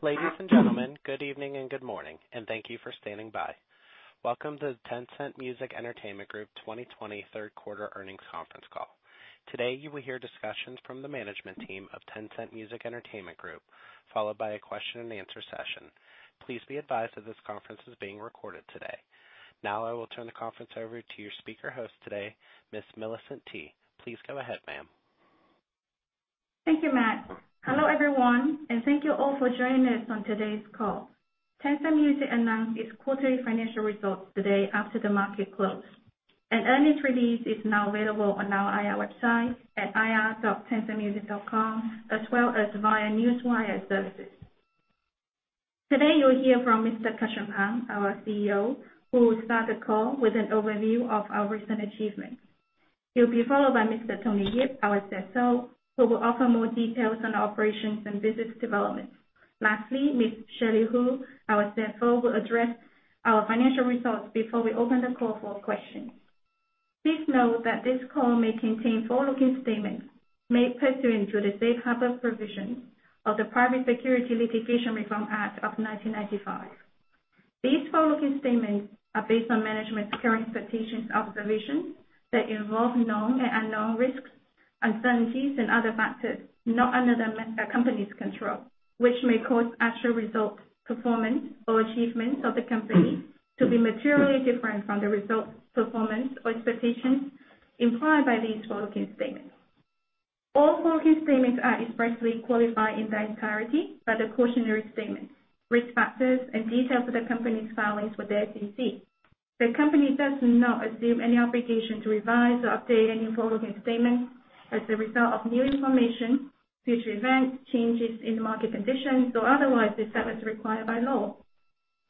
Ladies and gentlemen, good evening and good morning, and thank you for standing by. Welcome to the Tencent Music Entertainment Group 2020 third quarter earnings conference call. Today you will hear discussions from the management team of Tencent Music Entertainment Group, followed by a question and answer session. Please be advised that this conference is being recorded today. Now I will turn the conference over to your speaker host today, Ms. Millicent Tu. Please go ahead, ma'am. Thank you, Matt. Hello, everyone, and thank you all for joining us on today's call. An earnings release is now available on our IR website at ir.tencentmusic.com, as well as via Newswire services. Today you'll hear from Mr. Kar Shun Pang, our CEO, who will start the call with an overview of our recent achievements. He'll be followed by Mr. Tony Yip, our CFO, who will offer more details on operations and business developments. Lastly, Ms. Shirley Hu, our CFO, will address our financial results before we open the call for questions. Please note that this call may contain forward-looking statements made pursuant to the safe harbor provisions of the Private Securities Litigation Reform Act of 1995. These forward-looking statements are based on management's current expectations and observations that involve known and unknown risks, uncertainties and other factors not under the company's control, which may cause actual results, performance, or achievements of the company to be materially different from the results, performance or expectations implied by these forward-looking statements. All forward-looking statements are expressly qualified in their entirety by the cautionary statements, risk factors, and details of the company's filings with the SEC. The company does not assume any obligation to revise or update any forward-looking statements as a result of new information, future events, changes in market conditions, or otherwise, except as required by law.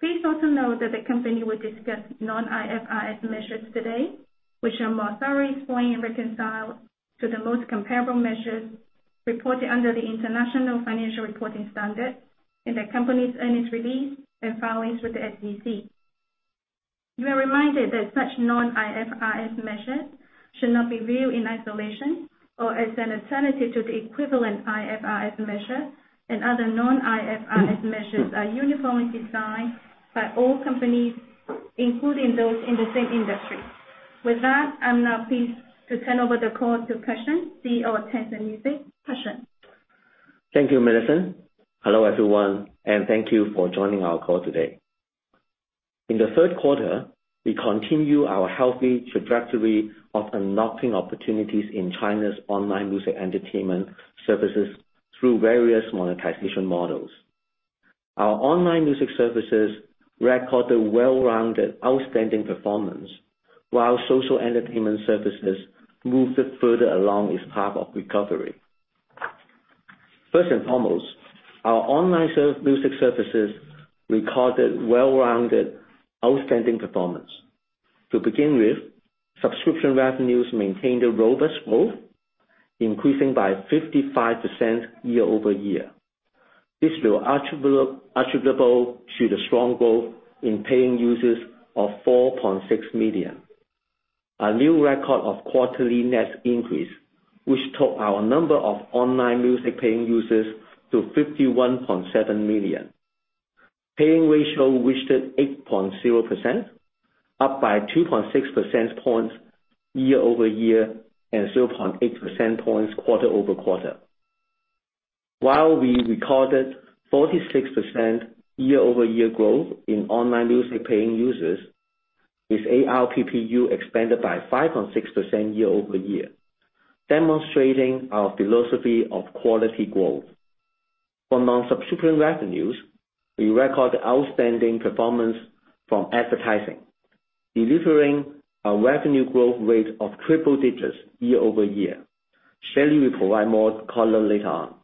Please also note that the company will discuss non-IFRS measures today, which are more thoroughly explained and reconciled to the most comparable measures reported under the international financial reporting standard in the company's earnings release and filings with the SEC. You are reminded that such non-IFRS measures should not be viewed in isolation or as an alternative to the equivalent IFRS measure. Other non-IFRS measures are uniformly defined by all companies, including those in the same industry. With that, I'm now pleased to turn over the call to Kar Shun, CEO of Tencent Music. Kar Shun. Thank you, Millicent Tu. Hello, everyone, and thank you for joining our call today. In the third quarter, we continue our healthy trajectory of unlocking opportunities in China's online music entertainment services through various monetization models. Our online music services recorded well-rounded, outstanding performance, while social entertainment services moved further along its path of recovery. First and foremost, our online music services recorded well-rounded, outstanding performance. To begin with, subscription revenues maintained a robust growth, increasing by 55% year-over-year. This was attributable to the strong growth in paying users of 4.6 million. A new record of quarterly net increase, which took our number of online music-paying users to 51.7 million. Paying ratio reached 8.0%, up by 2.6 percentage points year-over-year, and 0.8 percentage points quarter-over-quarter. While we recorded 46% year-over-year growth in online music-paying users, its ARPPU expanded by 5.6% year-over-year, demonstrating our philosophy of quality growth. For non-subscription revenues, we record outstanding performance from advertising, delivering a revenue growth rate of triple digits year-over-year. Shirley will provide more color later on.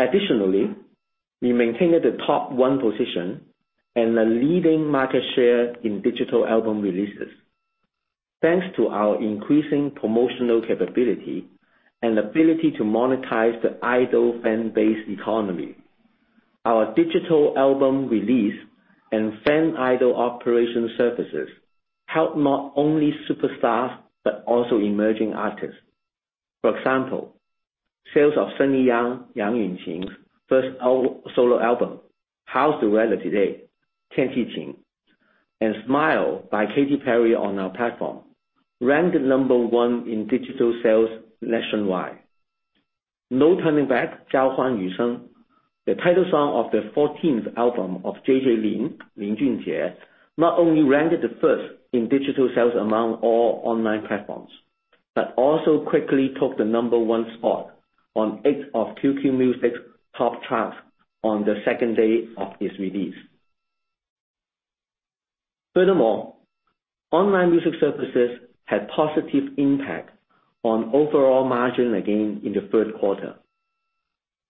Additionally, we maintained the top 1 position and the leading market share in digital album releases. Thanks to our increasing promotional capability and ability to monetize the idol fan base economy. Our digital album release and fan idol operation services help not only superstars, but also emerging artists. For example, sales of Sunny Yang Yunqing's first solo album, "How's The Weather Today," Tianqi Jing, and "Smile" by Katy Perry on our platform ranked number 1 in digital sales nationwide. No Turning Back," (non English context), the title song of the 14th album of JJ Lin Junjie, not only ranked the first in digital sales among all online platforms, but also quickly took the number one spot on eight of QQ Music's top charts on the second day of its release. Online music services had positive impact on overall margin again in the third quarter,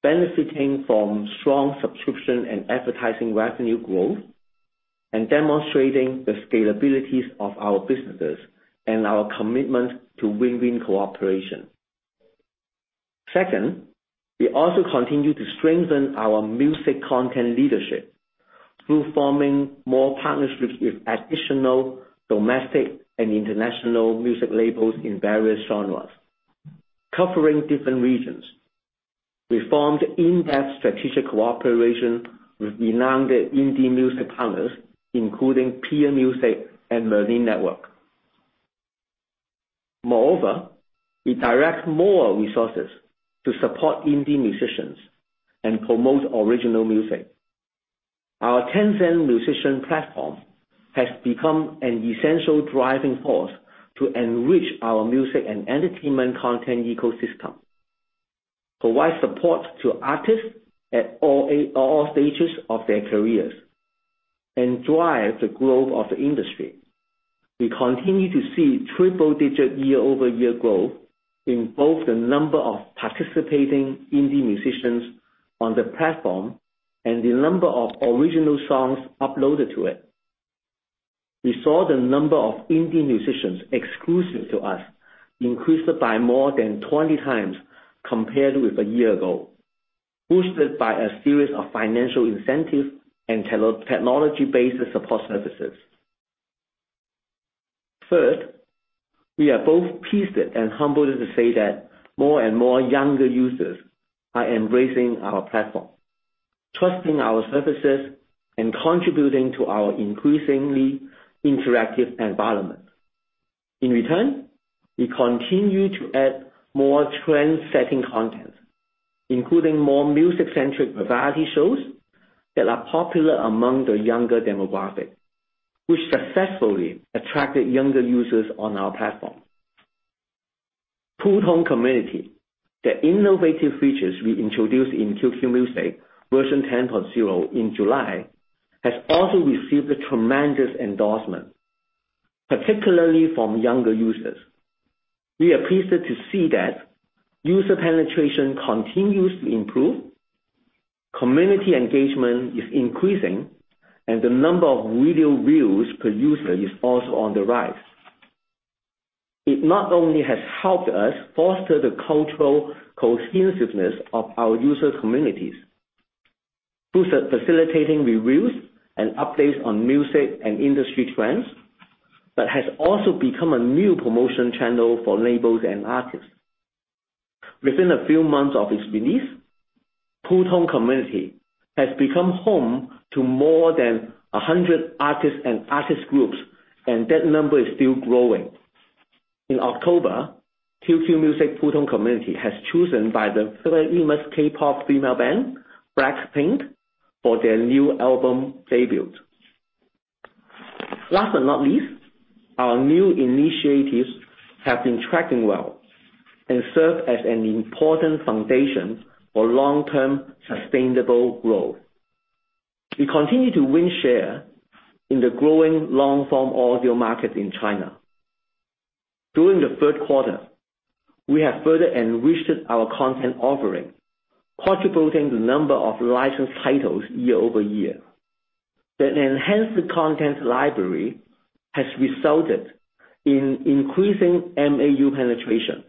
benefiting from strong subscription and advertising revenue growth and demonstrating the scalabilities of our businesses and our commitment to win-win cooperation. We also continue to strengthen our music content leadership. Through forming more partnerships with additional domestic and international music labels in various genres, covering different regions. We formed in-depth strategic cooperation with renowned indie music partners, including peermusic and Merlin Network. Moreover, we direct more resources to support indie musicians and promote original music. Our Tencent Musician Platform has become an essential driving force to enrich our music and entertainment content ecosystem, provide support to artists at all stages of their careers, and drive the growth of the industry. We continue to see triple digit year-over-year growth in both the number of participating indie musicians on the platform and the number of original songs uploaded to it. We saw the number of indie musicians exclusive to us increased by more than 20 times compared with a year ago, boosted by a series of financial incentives and technology-based support services. Third, we are both pleased and humbled to say that more and more younger users are embracing our platform, trusting our services, and contributing to our increasingly interactive environment. In return, we continue to add more trend-setting content, including more music-centric variety shows that are popular among the younger demographic, which successfully attracted younger users on our platform. Putong Community, the innovative features we introduced in QQ Music version 10.0 in July, has also received a tremendous endorsement, particularly from younger users. We are pleased to see that user penetration continues to improve, community engagement is increasing, and the number of video views per user is also on the rise. It not only has helped us foster the cultural cohesiveness of our user communities through facilitating reviews and updates on music and industry trends, but has also become a new promotion channel for labels and artists. Within a few months of its release, Putong Community has become home to more than 100 artists and artist groups, and that number is still growing. In October, QQ Music Putong Community has chosen by the very famous K-pop female band, BLACKPINK, for their new album debut. Last but not least, our new initiatives have been tracking well and serve as an important foundation for long-term sustainable growth. We continue to win share in the growing long-form audio market in China. During the third quarter, we have further enriched our content offering, quadrupling the number of licensed titles year-over-year. That enhanced content library has resulted in increasing MAU penetration,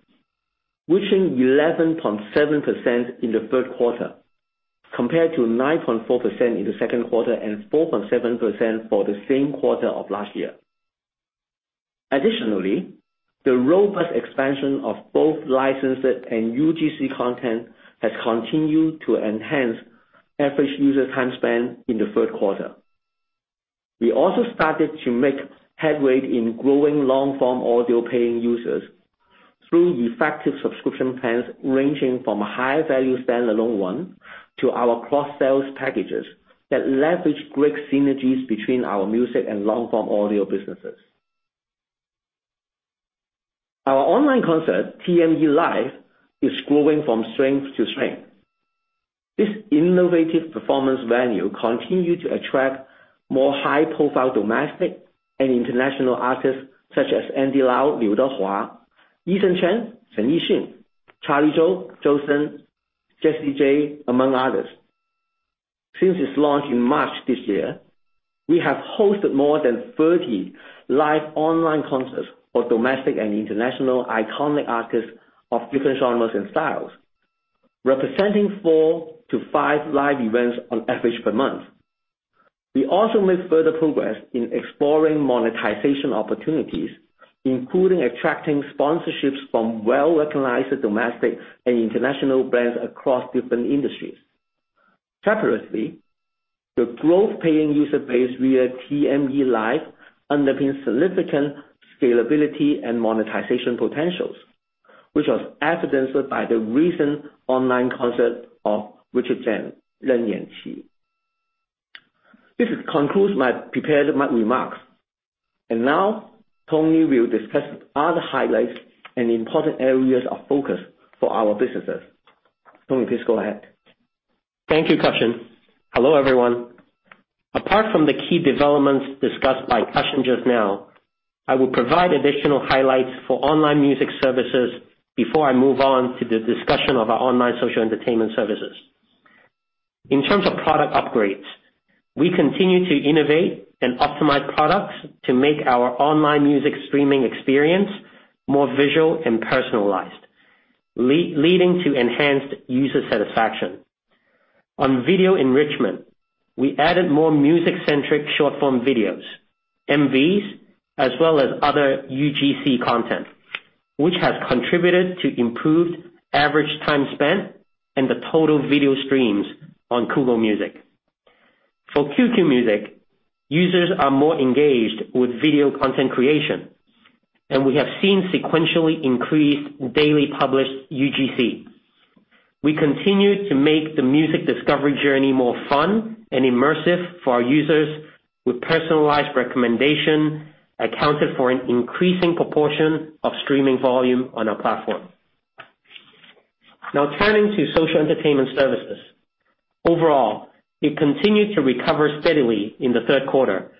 reaching 11.7% in the third quarter, compared to 9.4% in the second quarter, and 4.7% for the same quarter of last year. Additionally, the robust expansion of both licensed and UGC content has continued to enhance average user time spent in the third quarter. We also started to make headway in growing long-form audio-paying users through effective subscription plans ranging from a high-value standalone one to our cross-sales packages that leverage great synergies between our music and long-form audio businesses. Our online concert, TME Live, is growing from strength to strength. This innovative performance venue continue to attract more high-profile domestic and international artists such as Andy Lau, Liu Dehua, Eason Chen Yixin, Charlie Zhou Shen, Jessie J, among others. Since its launch in March this year, we have hosted more than 30 live online concerts for domestic and international iconic artists of different genres and styles, representing four to five live events on average per month. We also made further progress in exploring monetization opportunities, including attracting sponsorships from well-recognized domestic and international brands across different industries. Separately, the growth paying user base via TME Live underpin significant scalability and monetization potentials, which was evidenced by the recent online concert of Richie Jen. This concludes my prepared remarks. Now Tony will discuss other highlights and important areas of focus for our businesses. Tony Yip, please go ahead. Thank you, Kar Shan Pang. Hello, everyone. Apart from the key developments discussed by Kar Shun Pang just now, I will provide additional highlights for online music services before I move on to the discussion of our online social entertainment services. In terms of product upgrades, we continue to innovate and optimize products to make our online music streaming experience more visual and personalized, leading to enhanced user satisfaction. On video enrichment, we added more music-centric short-form videos, MVs, as well as other UGC content, which has contributed to improved average time spent and the total video streams on Kugou Music. For QQ Music, users are more engaged with video content creation, we have seen sequentially increased daily published UGC. We continue to make the music discovery journey more fun and immersive for our users, with personalized recommendation accounted for an increasing proportion of streaming volume on our platform. Now turning to social entertainment services. Overall, it continued to recover steadily in the third quarter,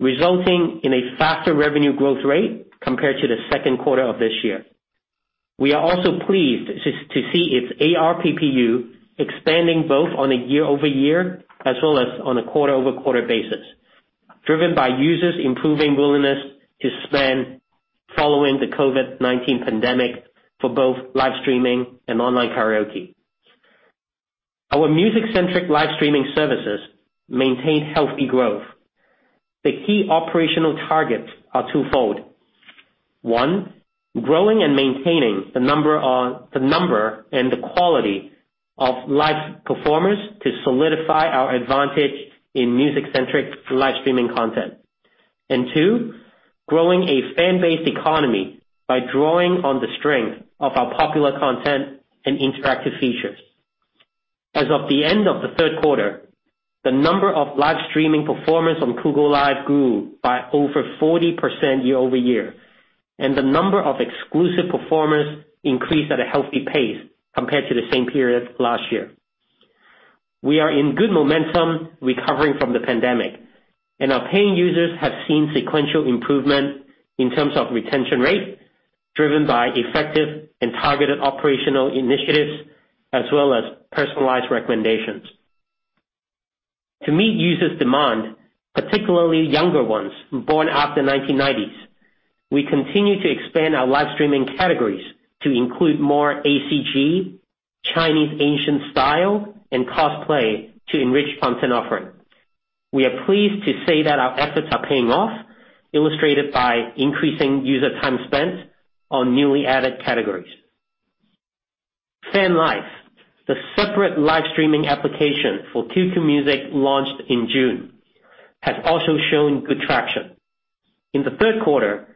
resulting in a faster revenue growth rate compared to the second quarter of this year. We are also pleased to see its ARPPU expanding both on a year-over-year as well as on a quarter-over-quarter basis, driven by users improving willingness to spend following the COVID-19 pandemic for both live streaming and online karaoke. Our music-centric live streaming services maintained healthy growth. The key operational targets are twofold. One, growing and maintaining the number and the quality of live performers to solidify our advantage in music-centric live streaming content. Two, growing a fan-based economy by drawing on the strength of our popular content and interactive features. As of the end of the third quarter, the number of live streaming performers on Kugou Live grew by over 40% year-over-year, and the number of exclusive performers increased at a healthy pace compared to the same period last year. We are in good momentum, recovering from the pandemic, and our paying users have seen sequential improvement in terms of retention rate, driven by effective and targeted operational initiatives, as well as personalized recommendations. To meet users' demand, particularly younger ones born after 1990s, we continue to expand our live streaming categories to include more ACG, Chinese ancient style, and cosplay to enrich content offering. We are pleased to say that our efforts are paying off, illustrated by increasing user time spent on newly added categories. FanLive, the separate live streaming application for QQ Music launched in June, has also shown good traction. In the third quarter,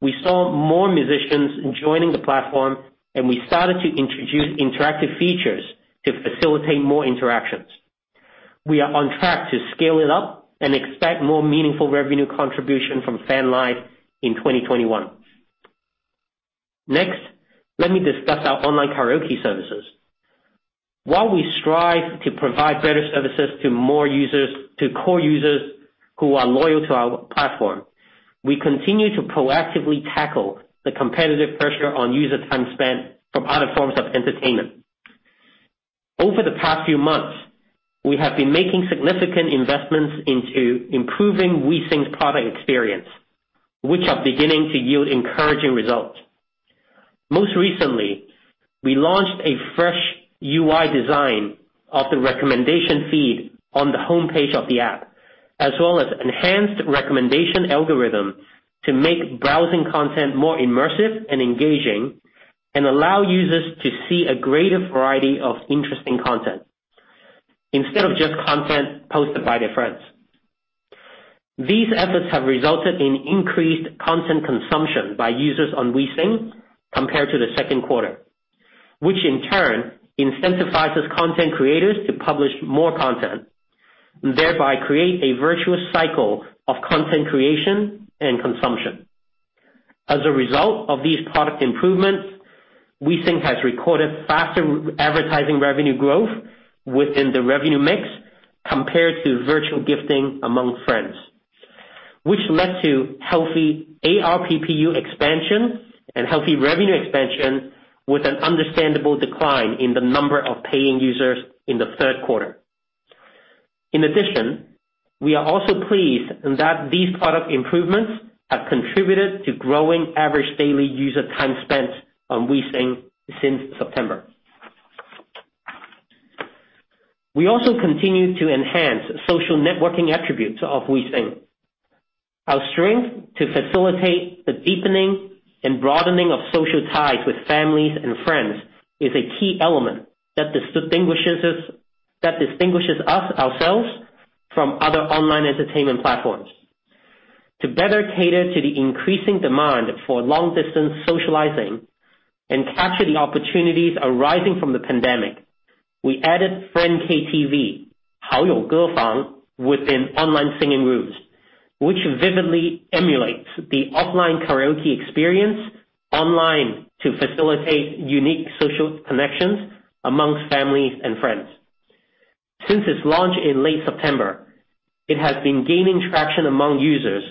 we saw more musicians joining the platform, and we started to introduce interactive features to facilitate more interactions. We are on track to scale it up and expect more meaningful revenue contribution from FanLive in 2021. Next, let me discuss our online karaoke services. While we strive to provide better services to more users, to core users who are loyal to our platform, we continue to proactively tackle the competitive pressure on user time spent from other forms of entertainment. Over the past few months, we have been making significant investments into improving WeSing's product experience, which are beginning to yield encouraging results. Most recently, we launched a fresh UI design of the recommendation feed on the homepage of the app, as well as enhanced recommendation algorithm to make browsing content more immersive and engaging, and allow users to see a greater variety of interesting content instead of just content posted by their friends. These efforts have resulted in increased content consumption by users on WeSing compared to the second quarter, which in turn incentivizes content creators to publish more content, thereby create a virtuous cycle of content creation and consumption. As a result of these product improvements, WeSing has recorded faster advertising revenue growth within the revenue mix compared to virtual gifting among friends, which led to healthy ARPPU expansion and healthy revenue expansion with an understandable decline in the number of paying users in the third quarter. In addition, we are also pleased that these product improvements have contributed to growing average daily user time spent on WeSing since September. We also continue to enhance social networking attributes of WeSing. Our strength to facilitate the deepening and broadening of social ties with families and friends is a key element that distinguishes ourselves from other online entertainment platforms. To better cater to the increasing demand for long-distance socializing and capture the opportunities arising from the pandemic, we added Friend KTV, within online singing rooms, which vividly emulates the offline karaoke experience online to facilitate unique social connections amongst families and friends. Since its launch in late September, it has been gaining traction among users,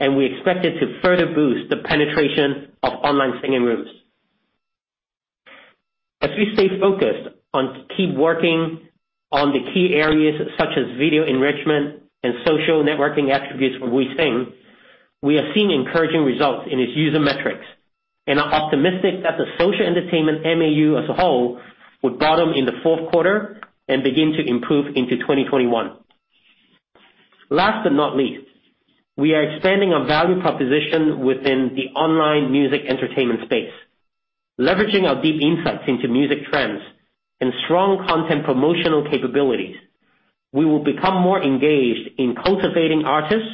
and we expect it to further boost the penetration of online singing rooms. As we stay focused on keep working on the key areas such as video enrichment and social networking attributes for WeSing, we are seeing encouraging results in its user metrics and are optimistic that the social entertainment MAU as a whole would bottom in the fourth quarter and begin to improve into 2021. Last but not least, we are expanding our value proposition within the online music entertainment space. Leveraging our deep insights into music trends and strong content promotional capabilities, we will become more engaged in cultivating artists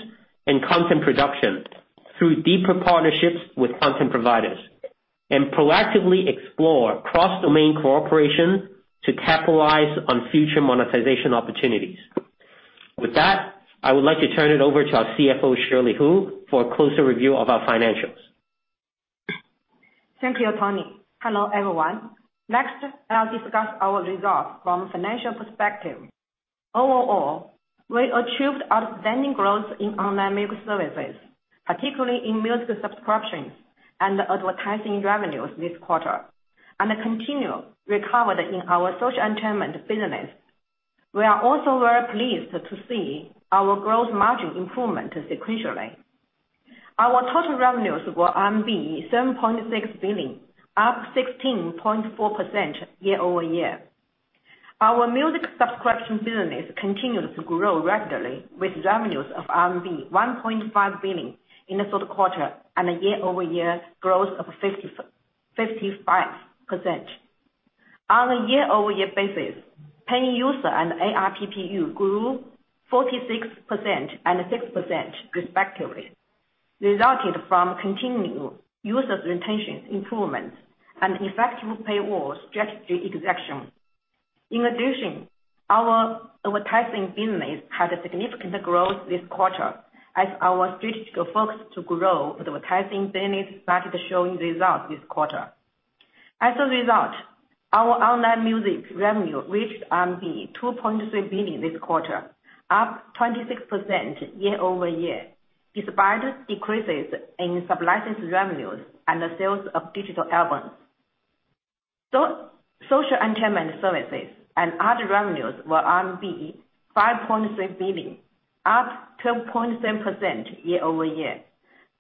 and content production through deeper partnerships with content providers, and proactively explore cross-domain cooperation to capitalize on future monetization opportunities. With that, I would like to turn it over to our CFO, Shirley Hu, for a closer review of our financials. Thank you, Tony Yip. Hello, everyone. Next, I'll discuss our results from financial perspective. Overall, we achieved outstanding growth in online music services, particularly in music subscriptions and advertising revenues this quarter, and a continued recovery in our social entertainment business. We are also very pleased to see our growth margin improvement sequentially. Our total revenues were 7.6 billion, up 16.4% year-over-year. Our music subscription business continued to grow rapidly with revenues of RMB 1.5 billion in the third quarter and a year-over-year growth of 55%. On a year-over-year basis, paying user and ARPPU grew 46% and 6% respectively, resulting from continued user retention improvements and effective paywall strategy execution. In addition, our advertising business had a significant growth this quarter as our strategic focus to grow advertising business started showing results this quarter. As a result, our online music revenue reached 2.3 billion this quarter, up 26% year-over-year, despite decreases in sub-license revenues and the sales of digital albums. Social entertainment services and other revenues were RMB 5.3 billion, up 12.7% year-over-year,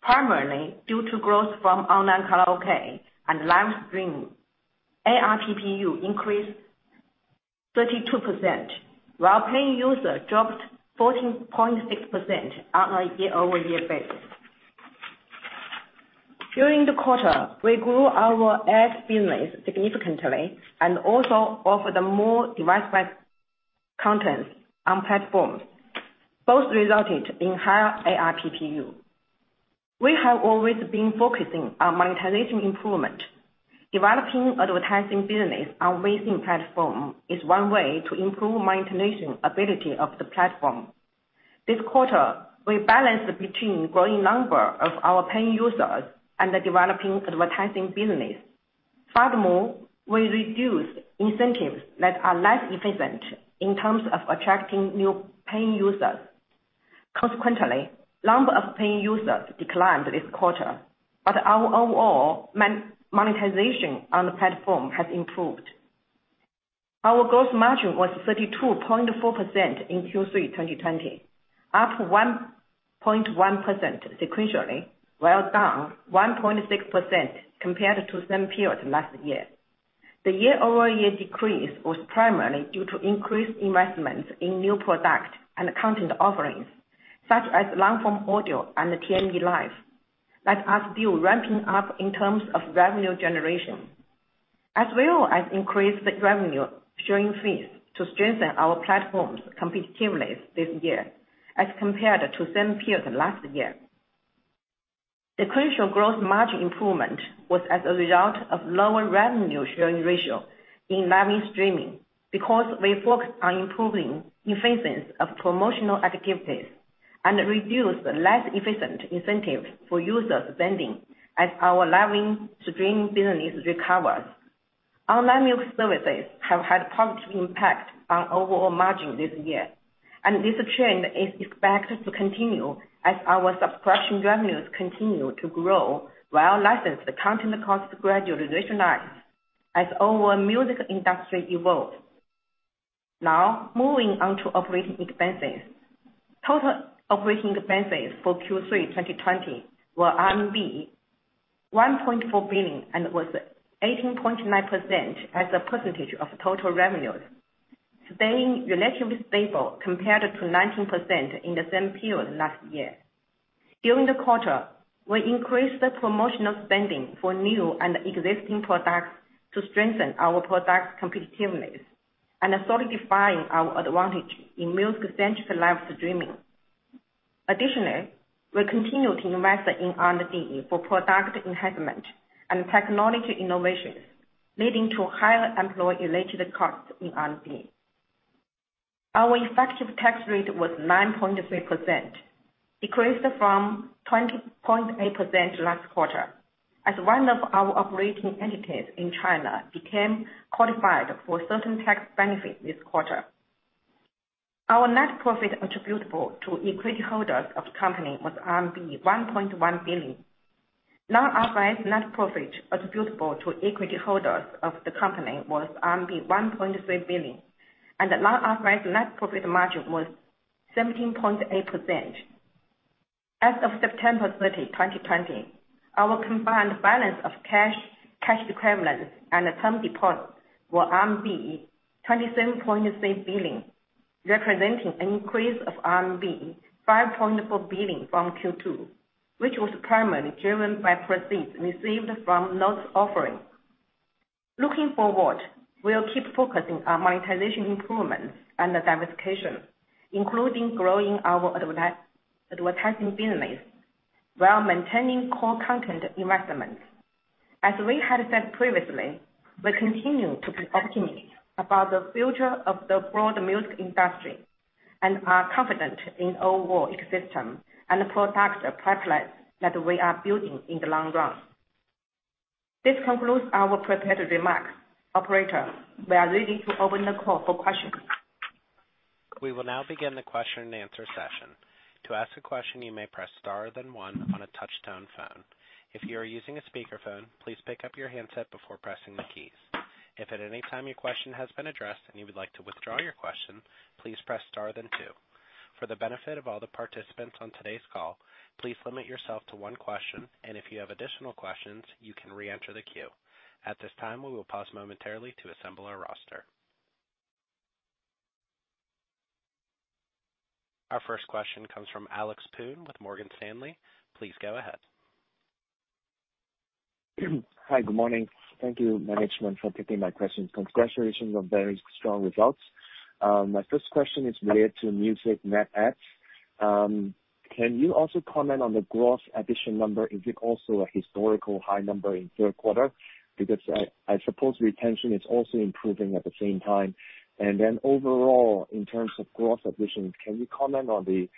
primarily due to growth from online karaoke and live streaming. ARPPU increased 32%, while paying user dropped 14.6% on a year-over-year basis. During the quarter, we grew our ads business significantly and also offered more diversified content on platforms. Both resulted in higher ARPPU. We have always been focusing on monetization improvement. Developing advertising business on existing platform is one way to improve monetization ability of the platform. This quarter, we balanced between growing number of our paying users and developing advertising business. Furthermore, we reduced incentives that are less efficient in terms of attracting new paying users. Number of paying users declined this quarter, but our overall monetization on the platform has improved. Our gross margin was 32.4% in Q3 2020, up 1.1% sequentially, while down 1.6% compared to same period last year. The year-over-year decrease was primarily due to increased investments in new product and content offerings, such as long-form audio and TME Live that are still ramping up in terms of revenue generation, as well as increased revenue sharing fees to strengthen our platform's competitiveness this year as compared to same period last year. The crucial growth margin improvement was as a result of lower revenue sharing ratio in live streaming, because we focused on improving efficiency of promotional activities and reduced less efficient incentives for user spending as our live stream business recovers. Online music services have had a positive impact on overall margin this year, and this trend is expected to continue as our subscription revenues continue to grow while licensed content cost gradually rationalize as overall music industry evolves. Moving on to operating expenses. Total operating expenses for Q3 2020 were RMB 1.4 billion and was 18.9% as a percentage of total revenues, staying relatively stable compared to 19% in the same period last year. During the quarter, we increased the promotional spending for new and existing products to strengthen our product competitiveness and solidifying our advantage in music-centric live streaming. We continue to invest in R&D for product enhancement and technology innovations, leading to higher employee-related costs in R&D. Our effective tax rate was 9.3%, decreased from 20.8% last quarter, as one of our operating entities in China became qualified for certain tax benefit this quarter. Our net profit attributable to equity holders of the company was RMB 1.1 billion. Non-GAAP net profit attributable to equity holders of the company was RMB 1.3 billion, and the non-GAAP net profit margin was 17.8%. As of September 30, 2020, our combined balance of cash equivalents, and term deposits were RMB 27.6 billion, representing an increase of RMB 5.4 billion from Q2, which was primarily driven by proceeds received from notes offering. Looking forward, we'll keep focusing on monetization improvements and diversification, including growing our advertising business while maintaining core content investments. As we had said previously, we continue to be optimistic about the future of the broad music industry and are confident in overall ecosystem and the products pipelines that we are building in the long run. This concludes our prepared remarks. Operator, we are ready to open the call for questions. We will now begin the question and answer session. At this time, we will pause momentarily to assemble our roster. Our first question comes from Alex Poon with Morgan Stanley. Please go ahead. Hi. Good morning. Thank you, management, for taking my questions. Congratulations on very strong results. My first question is related to music net adds. Can you also comment on the growth addition number? Is it also a historical high number in third quarter? I suppose retention is also improving at the same time. Overall, in terms of growth additions, can you comment on the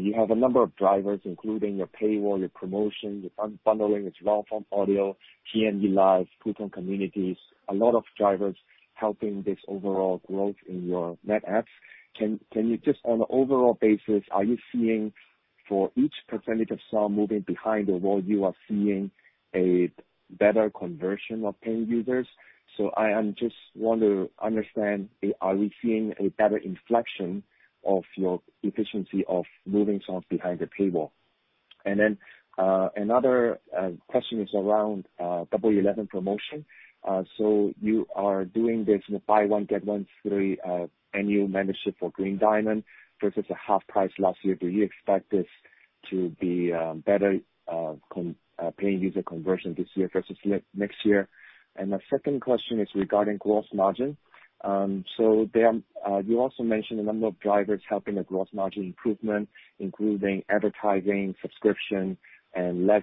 You have a number of drivers, including your paywall, your promotion, your bundling with long-form audio, TME Live, Putong communities, a lot of drivers helping this overall growth in your net adds. Can you just on an overall basis, are you seeing for each percentage of song moving behind the wall, you are seeing a better conversion of paying users? I just want to understand, are we seeing a better inflection of your efficiency of moving songs behind the paywall? Another question is around Double Eleven promotion. You are doing this buy one, get one free annual membership for Green Diamond versus a half price last year. Do you expect this to be better paying user conversion this year versus next year? My second question is regarding gross margin. You also mentioned a number of drivers helping the gross margin improvement, including advertising, subscription, and less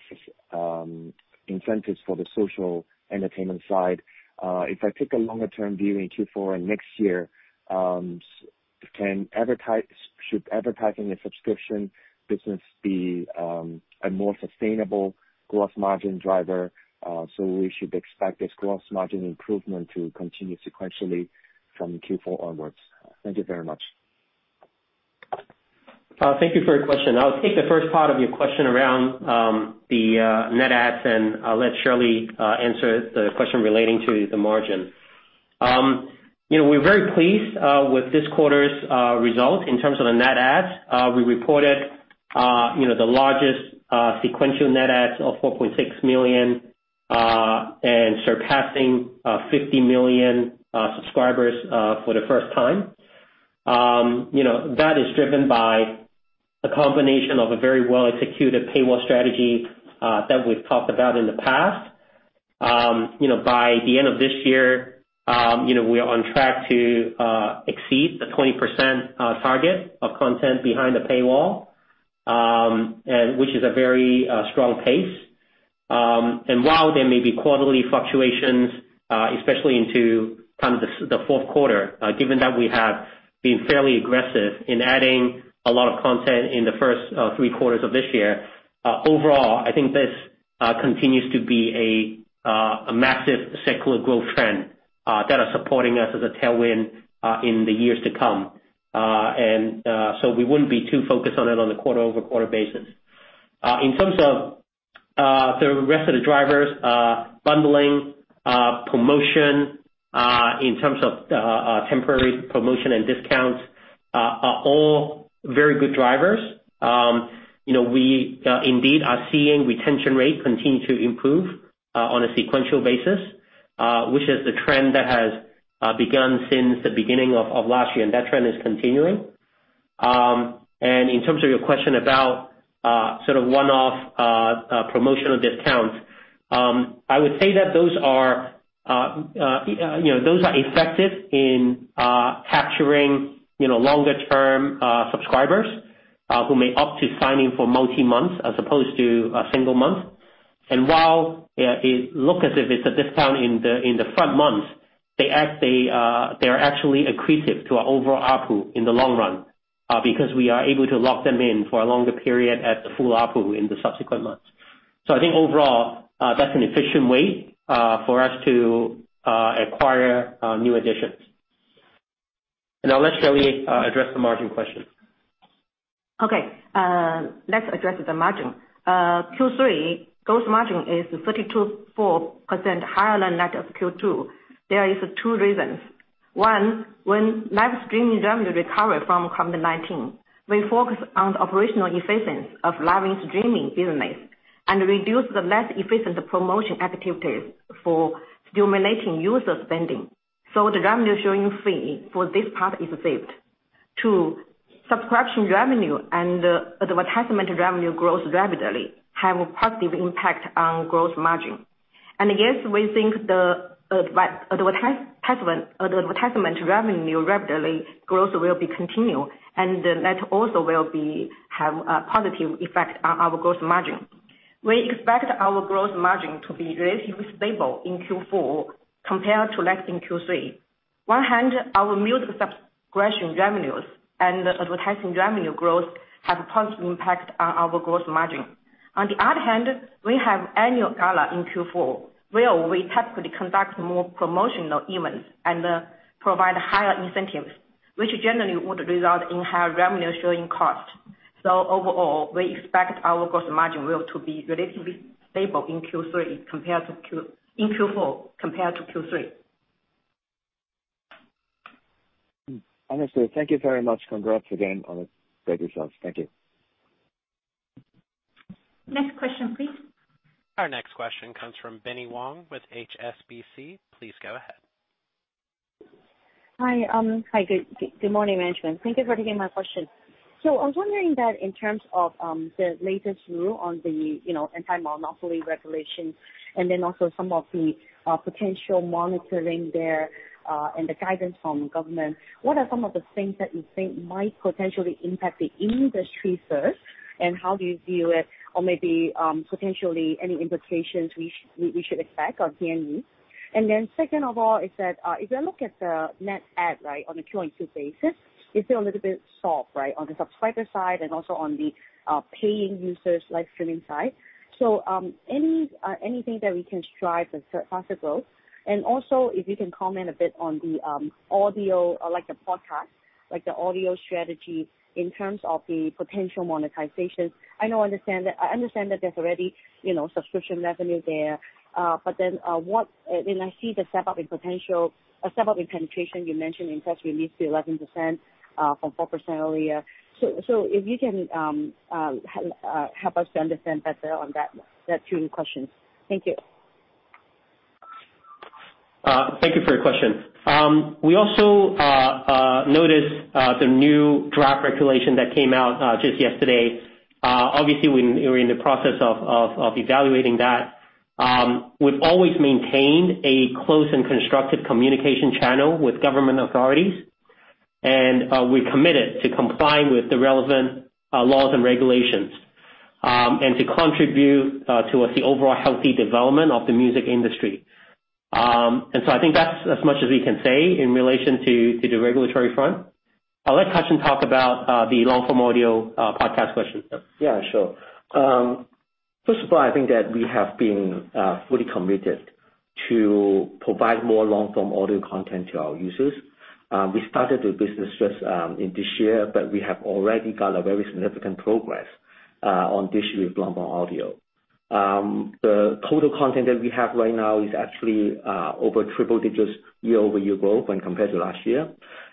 incentives for the social entertainment side. If I take a longer-term view in Q4 and next year, should advertising and subscription business be a more sustainable gross margin driver, so we should expect this gross margin improvement to continue sequentially from Q4 onwards? Thank you very much. Thank you for your question. I'll take the first part of your question around the net adds, and I'll let Shirley Hu answer the question relating to the margin. We're very pleased with this quarter's result in terms of the net adds. We reported the largest sequential net adds of 4.6 million and surpassing 50 million subscribers for the first time. That is driven by a combination of a very well-executed paywall strategy that we've talked about in the past. By the end of this year, we are on track to exceed the 20% target of content behind the paywall, which is a very strong pace. While there may be quarterly fluctuations, especially into the fourth quarter, given that we have been fairly aggressive in adding a lot of content in the first three quarters of this year, overall, I think this continues to be a massive secular growth trend that are supporting us as a tailwind in the years to come. We wouldn't be too focused on it on a quarter-over-quarter basis. In terms of the rest of the drivers, bundling, promotion, in terms of temporary promotion and discounts, are all very good drivers. We indeed are seeing retention rate continue to improve on a sequential basis, which is the trend that has begun since the beginning of last year, and that trend is continuing. In terms of your question about one-off promotional discounts, I would say that those are effective in capturing longer-term subscribers who may opt to sign in for multi-month as opposed to a single month. While it look as if it's a discount in the front month, they're actually accretive to our overall ARPU in the long run, because we are able to lock them in for a longer period at the full ARPU in the subsequent months. I think overall, that's an efficient way for us to acquire new additions. I'll let Shirley address the margin question. Okay. Let's address the margin. Q3, gross margin is 34% higher than that of Q2. There is two reasons. One, when live streaming revenue recovered from COVID-19, we focused on the operational efficiency of live streaming business and reduced the less efficient promotion activities for stimulating user spending. The revenue showing fee for this part is saved. Two, subscription revenue and advertisement revenue grows rapidly, have a positive impact on gross margin. Yes, we think the advertisement revenue rapidly growth will be continued, that also will have a positive effect on our gross margin. We expect our gross margin to be relatively stable in Q4 compared to that in Q3. On one hand, our music subscription revenues and advertising revenue growth have a positive impact on our gross margin. On the other hand, we have annual gala in Q4 where we typically conduct more promotional events and provide higher incentives, which generally would result in higher revenue showing cost. Overall, we expect our gross margin will be relatively stable in Q4 compared to Q3. Understood. Thank you very much. Congrats again on the great results. Thank you. Next question, please. Our next question comes from Binnie Wong with HSBC. Please go ahead. Hi. Good morning, management. Thank you for taking my question. I was wondering that in terms of the latest rule on the anti-monopoly regulations and then also some of the potential monitoring there, and the guidance from the government, what are some of the things that you think might potentially impact the industry first, and how do you view it or maybe potentially any implications we should expect on TME? Second of all is that if I look at the net add on a Q on Q basis, it's a little bit soft, right, on the subscriber side and also on the paying users live streaming side. Anything that we can strive for faster growth? If you can comment a bit on the audio, like the podcast, like the audio strategy in terms of the potential monetization. I understand that there's already subscription revenue there. When I see the step up in penetration you mentioned in fact released to 11%, from 4% earlier. If you can help us to understand better on that two questions. Thank you. Thank you for your question. We also noticed the new draft regulation that came out just yesterday. Obviously, we are in the process of evaluating that. We've always maintained a close and constructive communication channel with government authorities. We're committed to complying with the relevant laws and regulations, and to contribute towards the overall healthy development of the music industry. I think that's as much as we can say in relation to the regulatory front. I'll let Kar Shun Pang talk about the long-form audio podcast question. Yeah, sure. First of all, I think that we have been fully committed to provide more long-form audio content to our users. We started the business just in this year, we have already got a very significant progress on this year with long-form audio. The total content that we have right now is actually over triple digits year-over-year growth when compared to last year.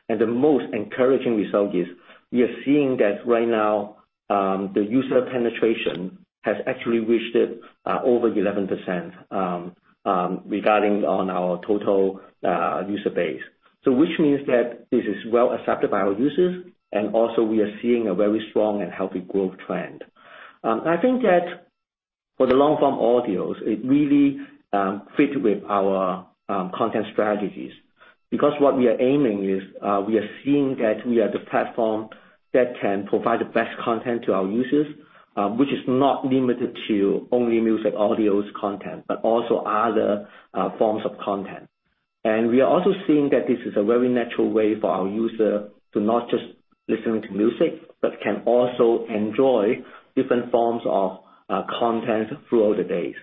The most encouraging result is we are seeing that right now, the user penetration has actually reached over 11%, regarding on our total user base. Which means that this is well accepted by our users, and also we are seeing a very strong and healthy growth trend. I think that for the long-form audios, it really fit with our content strategies because what we are aiming is, we are seeing that we are the platform that can provide the best content to our users, which is not limited to only music audios content, but also other forms of content. We are also seeing that this is a very natural way for our user to not just listening to music, but can also enjoy different forms of content throughout the days.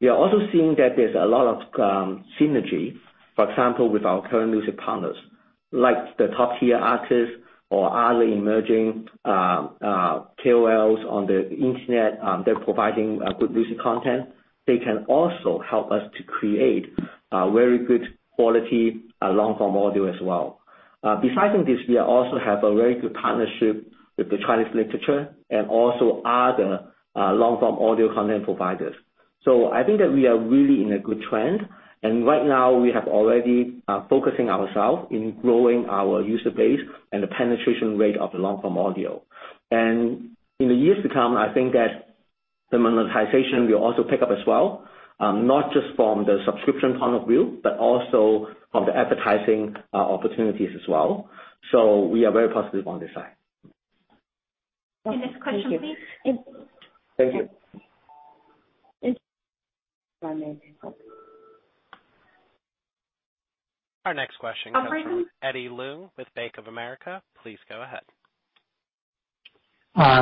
We are also seeing that there's a lot of synergy, for example, with our current music partners. Like the top tier artists or early emerging KOLs on the internet, they're providing good music content. They can also help us to create very good quality long-form audio as well. Besides this, we also have a very good partnership with the Chinese literature and also other long-form audio content providers. I think that we are really in a good trend, and right now we have already focusing ourselves in growing our user base and the penetration rate of the long-form audio. In the years to come, I think that the monetization will also pick up as well, not just from the subscription point of view, but also from the advertising opportunities as well. We are very positive on this side. Next question, please. Thank you. Thank you. My name Our next question comes from Eddie Leung with Bank of America. Please go ahead.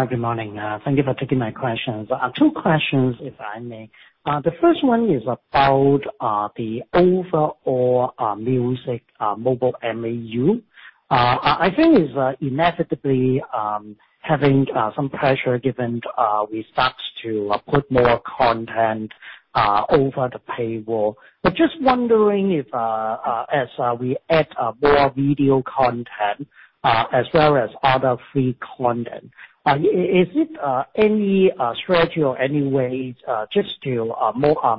Good morning. Thank you for taking my questions. Two questions, if I may. The first one is about the overall music mobile MAU. I think it's inevitably having some pressure given we start to put more content over the paywall. Just wondering if, as we add more video content, as well as other free content, is it any strategy or any way just to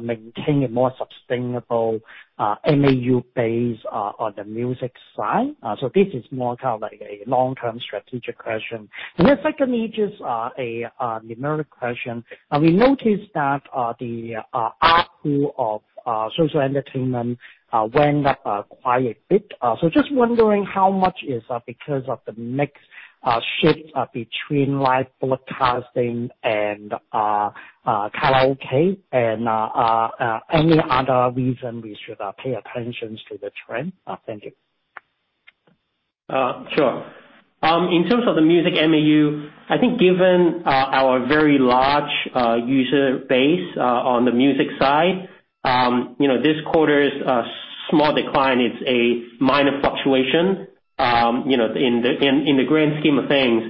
maintain a more sustainable MAU base on the music side? This is more of a long-term strategic question. Secondly, just a numeric question. We noticed that the ARPU of social entertainment went up quite a bit. Just wondering how much is because of the mix shift between live broadcasting and karaoke, and any other reason we should pay attention to the trend. Thank you. Sure. In terms of the music MAU, I think given our very large user base on the music side, this quarter's small decline, it's a minor fluctuation. In the grand scheme of things,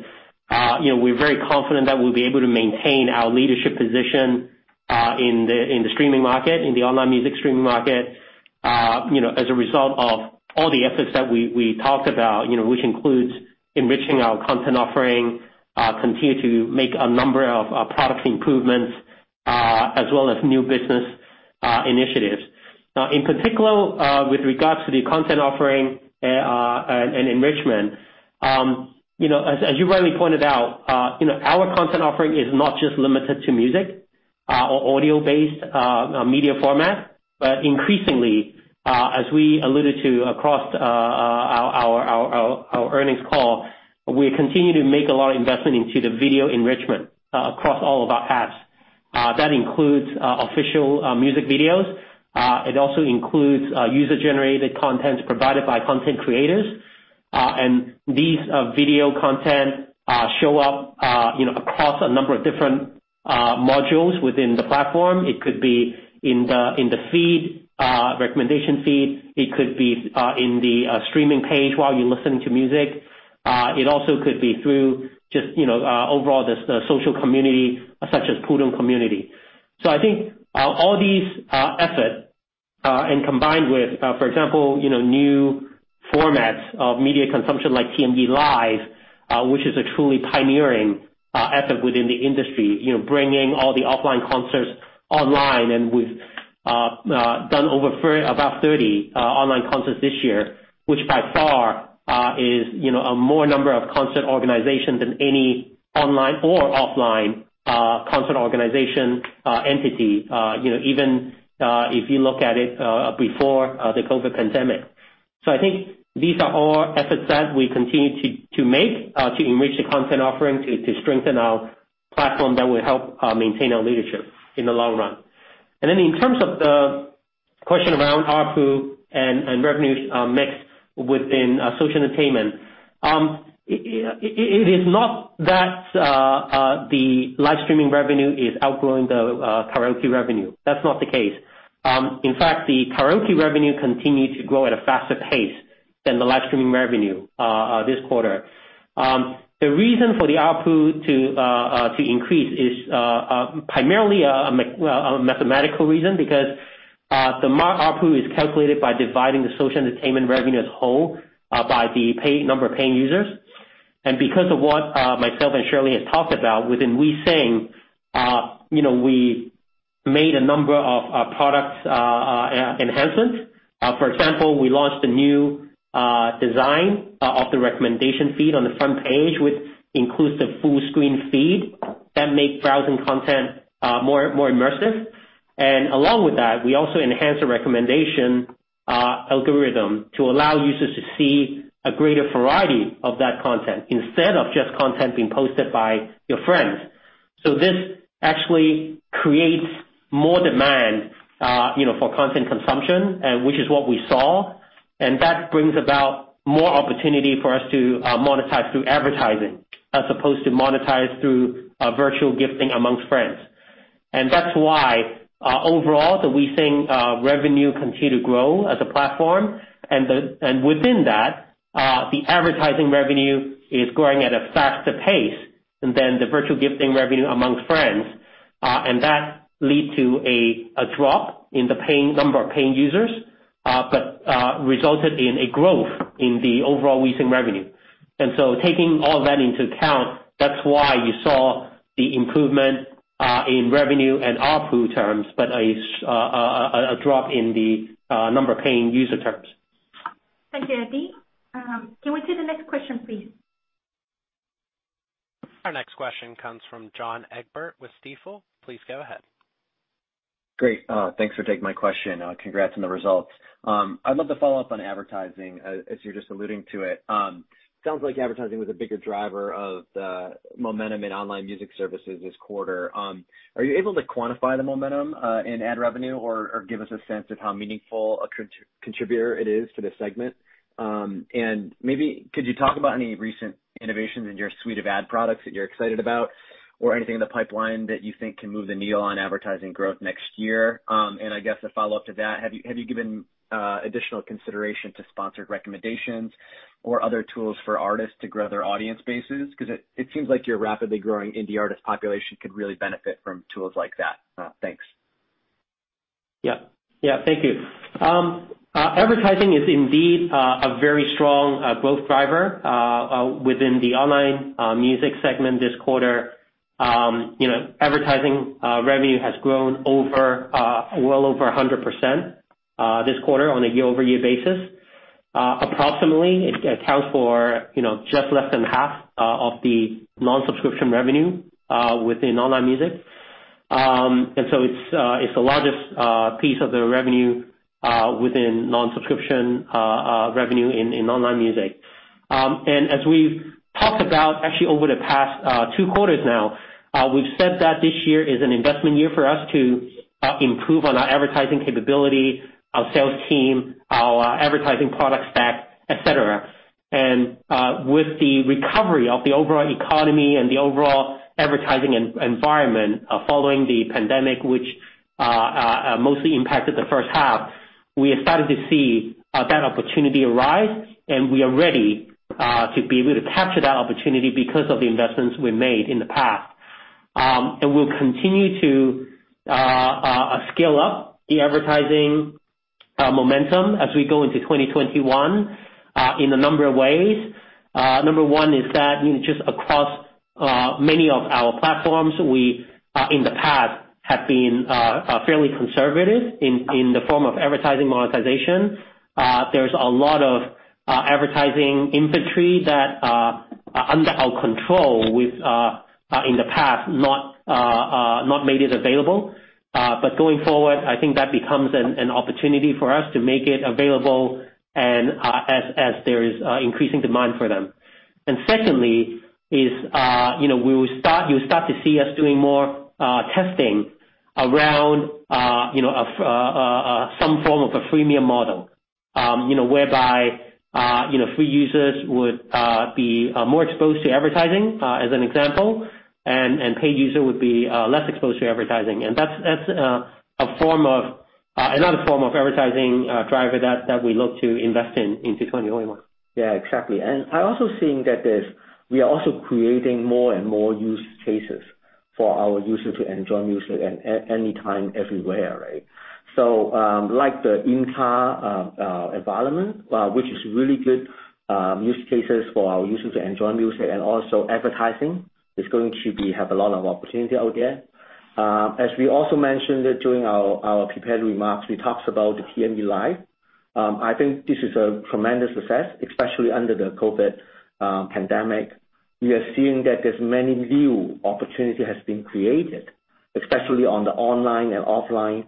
we're very confident that we'll be able to maintain our leadership position in the streaming market, in the online music streaming market, as a result of all the efforts that we talked about, which includes enriching our content offering, continue to make a number of product improvements, as well as new business initiatives. In particular, with regards to the content offering and enrichment, as you rightly pointed out, our content offering is not just limited to music or audio-based media format. Increasingly, as we alluded to across our earnings call, we continue to make a lot of investment into the video enrichment across all of our apps. That includes official music videos. It also includes user-generated content provided by content creators. These video content show up across a number of different modules within the platform. It could be in the recommendation feed. It could be in the streaming page while you're listening to music. It also could be through just overall the social community, such as Putong Community. I think all these efforts, and combined with, for example, new formats of media consumption like TME Live, which is a truly pioneering effort within the industry, bringing all the offline concerts online. We've done over 30 online concerts this year, which by far is a more number of concert organizations than any online or offline concert organization entity, even if you look at it before the COVID pandemic. I think these are all efforts that we continue to make to enrich the content offering, to strengthen our platform that will help maintain our leadership in the long run. In terms of the question around ARPU and revenue mix within social entertainment. It is not that the live streaming revenue is outgrowing the karaoke revenue. That's not the case. In fact, the karaoke revenue continued to grow at a faster pace than the live streaming revenue this quarter. The reason for the ARPU to increase is primarily a mathematical reason because the ARPU is calculated by dividing the social entertainment revenue as whole by the number of paying users. Because of what myself and Shirley have talked about within WeSing, we made a number of product enhancements. For example, we launched a new design of the recommendation feed on the front page, which includes the full-screen feed that make browsing content more immersive. Along with that, we also enhanced the recommendation algorithm to allow users to see a greater variety of that content instead of just content being posted by your friends. This actually creates more demand for content consumption, which is what we saw, and that brings about more opportunity for us to monetize through advertising as opposed to monetize through virtual gifting amongst friends. That's why, overall, the WeSing revenue continue to grow as a platform, and within that, the advertising revenue is growing at a faster pace than the virtual gifting revenue among friends. That lead to a drop in the number of paying users, but resulted in a growth in the overall WeSing revenue. Taking all of that into account, that's why you saw the improvement in revenue and ARPU terms, but a drop in the number of paying user terms. Thank you, Eddie Leung. Can we take the next question, please? Our next question comes from John Egbert with Stifel. Please go ahead. Great. Thanks for taking my question. Congrats on the results. I'd love to follow up on advertising, as you're just alluding to it. Sounds like advertising was a bigger driver of the momentum in online music services this quarter. Are you able to quantify the momentum in ad revenue or give us a sense of how meaningful a contributor it is to the segment? Maybe could you talk about any recent innovations in your suite of ad products that you're excited about or anything in the pipeline that you think can move the needle on advertising growth next year? I guess a follow-up to that, have you given additional consideration to sponsored recommendations or other tools for artists to grow their audience bases? Because it seems like your rapidly growing indie artist population could really benefit from tools like that. Thanks. Yeah. Thank you. Advertising is indeed a very strong growth driver within the online music segment this quarter. Advertising revenue has grown well over 100% this quarter on a year-over-year basis. Approximately, it accounts for just less than half of the non-subscription revenue within online music. So it's the largest piece of the revenue within non-subscription revenue in online music. As we've talked about, actually, over the past two quarters now, we've said that this year is an investment year for us to improve on our advertising capability, our sales team, our advertising product stack, et cetera. With the recovery of the overall economy and the overall advertising environment following the pandemic, which mostly impacted the first half, we have started to see that opportunity arise, and we are ready to be able to capture that opportunity because of the investments we made in the past. We'll continue to scale up the advertising momentum as we go into 2021 in a number of ways. Number one is that just across many of our platforms, we, in the past, have been fairly conservative in the form of advertising monetization. There's a lot of advertising inventory that under our control we've, in the past, not made it available. Going forward, I think that becomes an opportunity for us to make it available as there is increasing demand for them. Secondly is you'll start to see us doing more testing around some form of a freemium model whereby free users would be more exposed to advertising, as an example, and paid user would be less exposed to advertising. That's another form of advertising driver that we look to invest in in 2021. Yeah, exactly. I also think that we are also creating more and more use cases for our users to enjoy music at any time everywhere, right? Like the in-car environment which is really good use cases for our users to enjoy music, and also advertising is going to have a lot of opportunity out there. As we also mentioned during our prepared remarks, we talked about the TME Live. I think this is a tremendous success, especially under the COVID pandemic. We are seeing that there's many new opportunity has been created, especially on the online and offline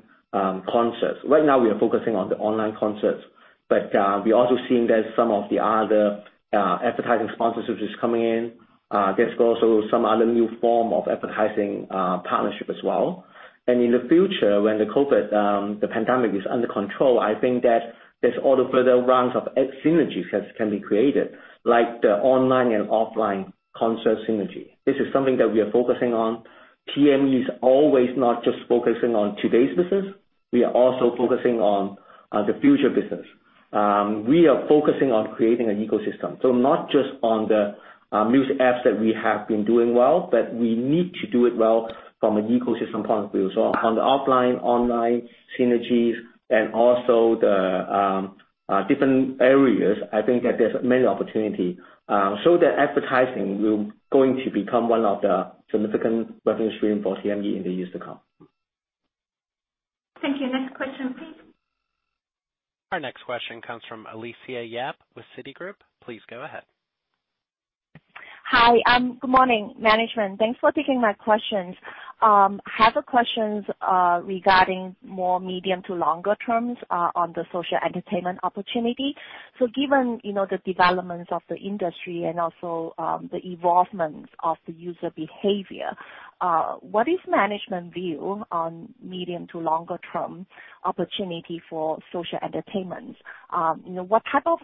concerts. Right now, we are focusing on the online concerts, but we are also seeing that some of the other advertising sponsors which is coming in. There's also some other new form of advertising partnership as well. In the future, when the COVID, the pandemic is under control, I think that there's all the further rounds of ad synergies can be created, like the online and offline concert synergy. This is something that we are focusing on. TME is always not just focusing on today's business, we are also focusing on the future business. We are focusing on creating an ecosystem. Not just on the music apps that we have been doing well, but we need to do it well from an ecosystem point of view. On the offline, online synergies and also the different areas, I think that there's many opportunity. The advertising will going to become one of the significant revenue stream for TME in the years to come. Thank you. Next question, please. Our next question comes from Alicia Yap with Citigroup. Please go ahead. Hi. Good morning, management. Thanks for taking my questions. I have a questions regarding more medium to longer terms on the social entertainment opportunity. Given the developments of the industry and also the evolvement of the user behavior, what is management view on medium to longer term opportunity for social entertainment? What type of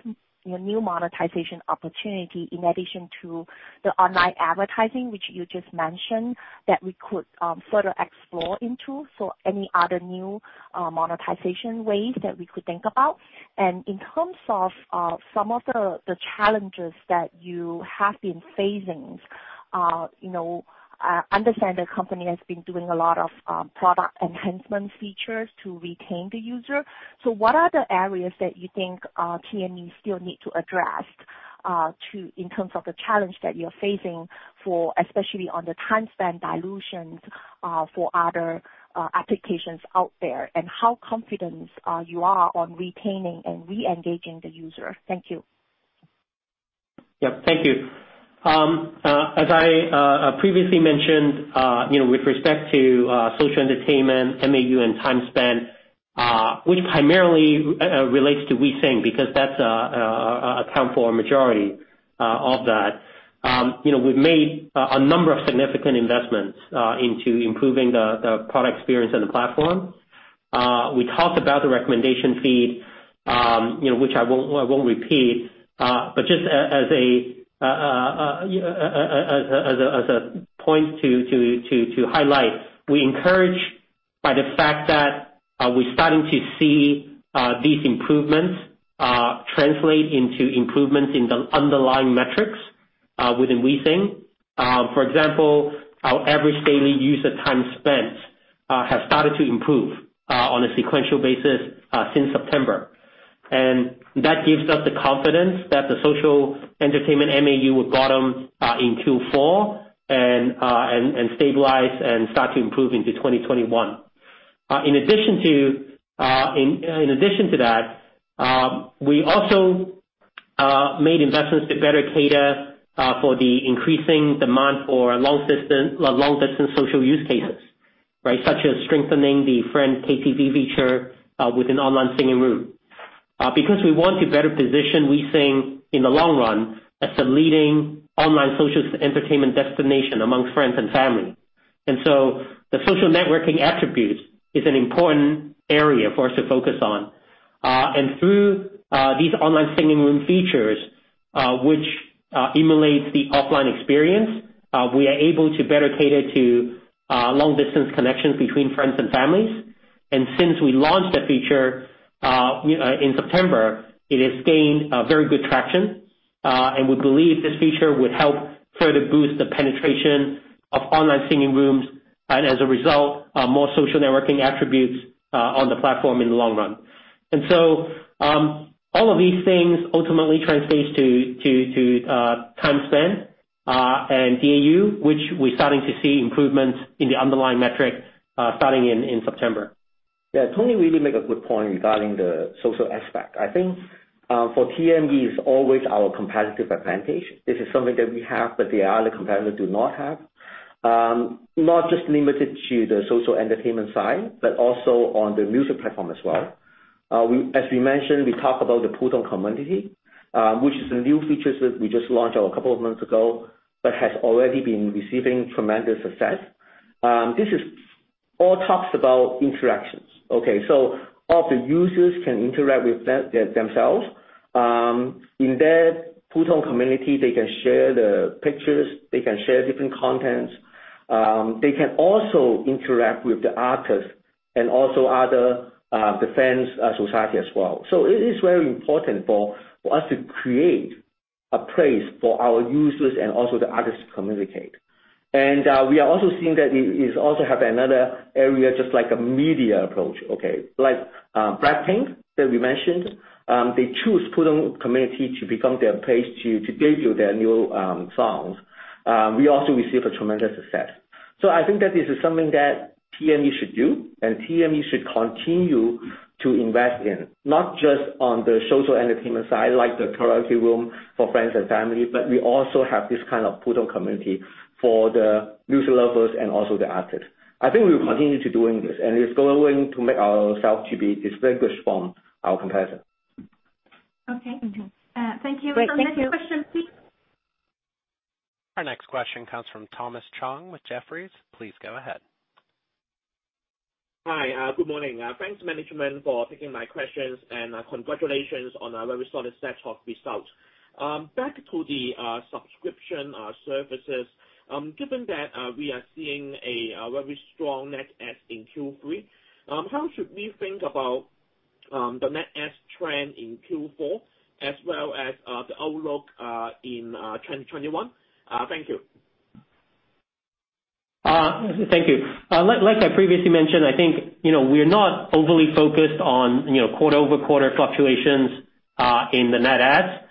new monetization opportunity in addition to the online advertising, which you just mentioned, that we could further explore into, any other new monetization ways that we could think about? In terms of some of the challenges that you have been facing, I understand the company has been doing a lot of product enhancement features to retain the user. What are the areas that you think TME still need to address in terms of the challenge that you're facing, especially on the time spent dilutions for other applications out there, and how confident you are on retaining and re-engaging the user? Thank you. Yep, thank you. As I previously mentioned with respect to social entertainment, MAU, and time spent, which primarily relates to WeSing because that account for a majority of that. We've made a number of significant investments into improving the product experience and the platform. We talked about the recommendation feed. Which I won't repeat. Just as a point to highlight, we encouraged by the fact that we're starting to see these improvements translate into improvements in the underlying metrics within WeSing. For example, our average daily user time spent has started to improve on a sequential basis since September. That gives us the confidence that the social entertainment MAU would bottom in Q4 and stabilize and start to improve into 2021. In addition to that, we also made investments to better cater for the increasing demand for long-distance social use cases. Such as strengthening the Friend KTV feature within online singing room. We want to better position WeSing in the long run as the leading online social entertainment destination amongst friends and family. The social networking attribute is an important area for us to focus on. Through these online singing room features, which emulates the offline experience, we are able to better cater to long-distance connections between friends and families. Since we launched that feature in September, it has gained very good traction. We believe this feature would help further boost the penetration of online singing rooms, and as a result, more social networking attributes on the platform in the long run. All of these things ultimately translates to time spent, and DAU, which we're starting to see improvements in the underlying metric starting in September. Yeah, Tony Yip really make a good point regarding the social aspect. I think for TME is always our competitive advantage. This is something that we have that the other competitor do not have. Not just limited to the social entertainment side, but also on the music platform as well. As we mentioned, we talk about the Putong Community, which is a new features that we just launched a couple of months ago. Has already been receiving tremendous success. This is all talks about interactions. Okay, all the users can interact with themselves. In their Putong Community, they can share the pictures, they can share different contents. They can also interact with the artist and also other, the fans society as well. It is very important for us to create a place for our users and also the artists to communicate. We are also seeing that it is also have another area, just like a media approach. Like BLACKPINK that we mentioned, they choose Putong Community to become their place to give you their new songs. We also receive a tremendous success. I think that this is something that TME should do and TME should continue to invest in, not just on the social entertainment side, like the karaoke room for friends and family, but we also have this kind of Putong Community for the music lovers and also the artists. I think we'll continue to doing this, and it's going to make ourself to be distinguished from our competitor. Okay. Thank you. Great, thank you. The next question, please. Our next question comes from Thomas Chong with Jefferies. Please go ahead. Hi, good morning. Thanks management for taking my questions and congratulations on a very solid set of results. Back to the subscription services, given that we are seeing a very strong net S in Q3, how should we think about the net S trend in Q4 as well as the outlook in 2021? Thank you. Thank you. Like I previously mentioned, I think we're not overly focused on quarter-over-quarter fluctuations in the net adds.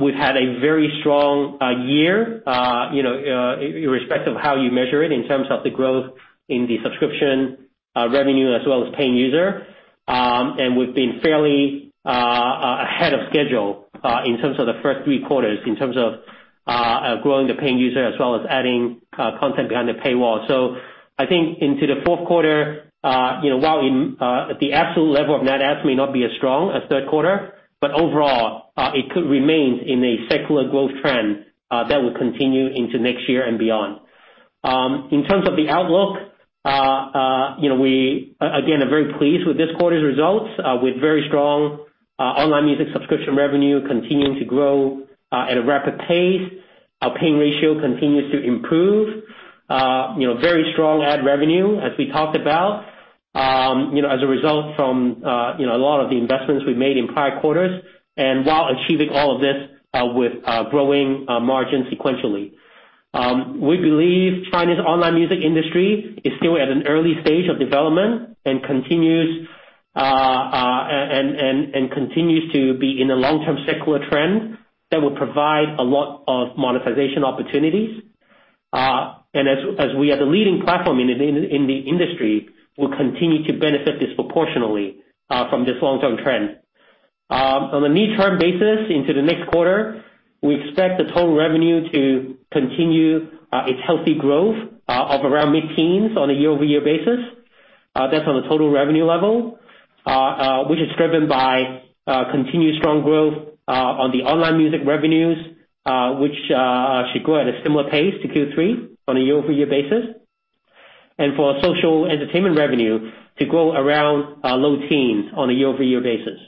We've had a very strong year irrespective of how you measure it in terms of the growth in the subscription revenue as well as paying user. We've been fairly ahead of schedule in terms of the first three quarters in terms of growing the paying user as well as adding content behind the paywall. I think into the fourth quarter, while the absolute level of net adds may not be as strong as third quarter, but overall, it could remain in a secular growth trend that will continue into next year and beyond. In terms of the outlook, we again, are very pleased with this quarter's results, with very strong online music subscription revenue continuing to grow at a rapid pace. Our paying ratio continues to improve. Very strong ad revenue as we talked about. As a result from a lot of the investments we've made in prior quarters and while achieving all of this with growing margin sequentially. We believe China's online music industry is still at an early stage of development and continues to be in a long-term secular trend that will provide a lot of monetization opportunities. As we are the leading platform in the industry, we'll continue to benefit disproportionally from this long-term trend. On a near-term basis into the next quarter, we expect the total revenue to continue its healthy growth of around mid-teens on a year-over-year basis. That's on the total revenue level, which is driven by continued strong growth on the online music revenues, which should grow at a similar pace to Q3 on a year-over-year basis. For our social entertainment revenue to grow around low teens on a year-over-year basis.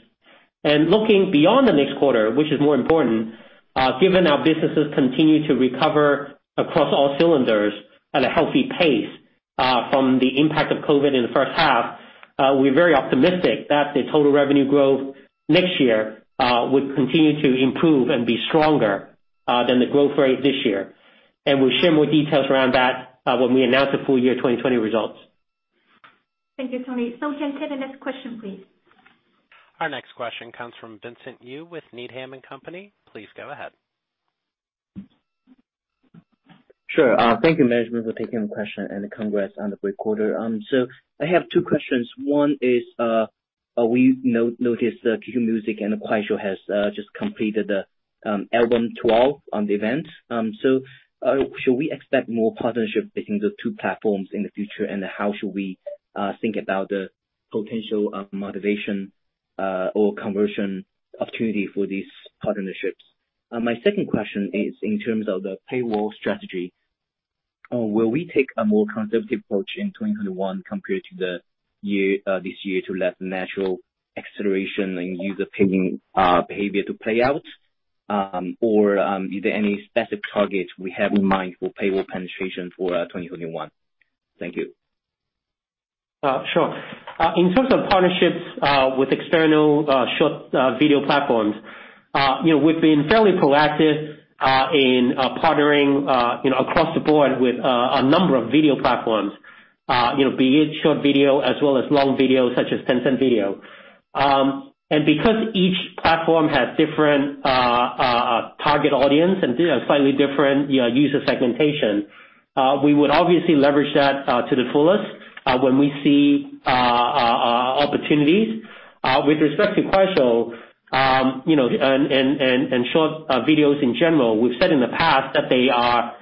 Looking beyond the next quarter, which is more important, given our businesses continue to recover across all cylinders at a healthy pace from the impact of COVID in the first half, we're very optimistic that the total revenue growth next year will continue to improve and be stronger than the growth rate this year. We'll share more details around that when we announce the full year 2020 results. Thank you, Tony Yip. We can take the next question, please. Our next question comes from Vincent Yu with Needham & Company. Please go ahead. Sure. Thank you, management, for taking the question, and congrats on the great quarter. I have two questions. One is, we noticed that QQ Music and Kuaishou has just completed album 12 on the event. Should we expect more partnership between the two platforms in the future? How should we think about the potential of monetization or conversion opportunity for these partnerships? My second question is in terms of the paywall strategy. Will we take a more conservative approach in 2021 compared to this year to let natural acceleration and user paying behavior to play out? Is there any specific targets we have in mind for paywall penetration for 2021? Thank you. Sure. In terms of partnerships with external short video platforms, we've been fairly proactive in partnering across the board with a number of video platforms, be it short video as well as long video such as Tencent Video. Because each platform has different target audience and slightly different user segmentation, we would obviously leverage that to the fullest when we see opportunities. With respect to Kuaishou and short videos in general, we've said in the past that they are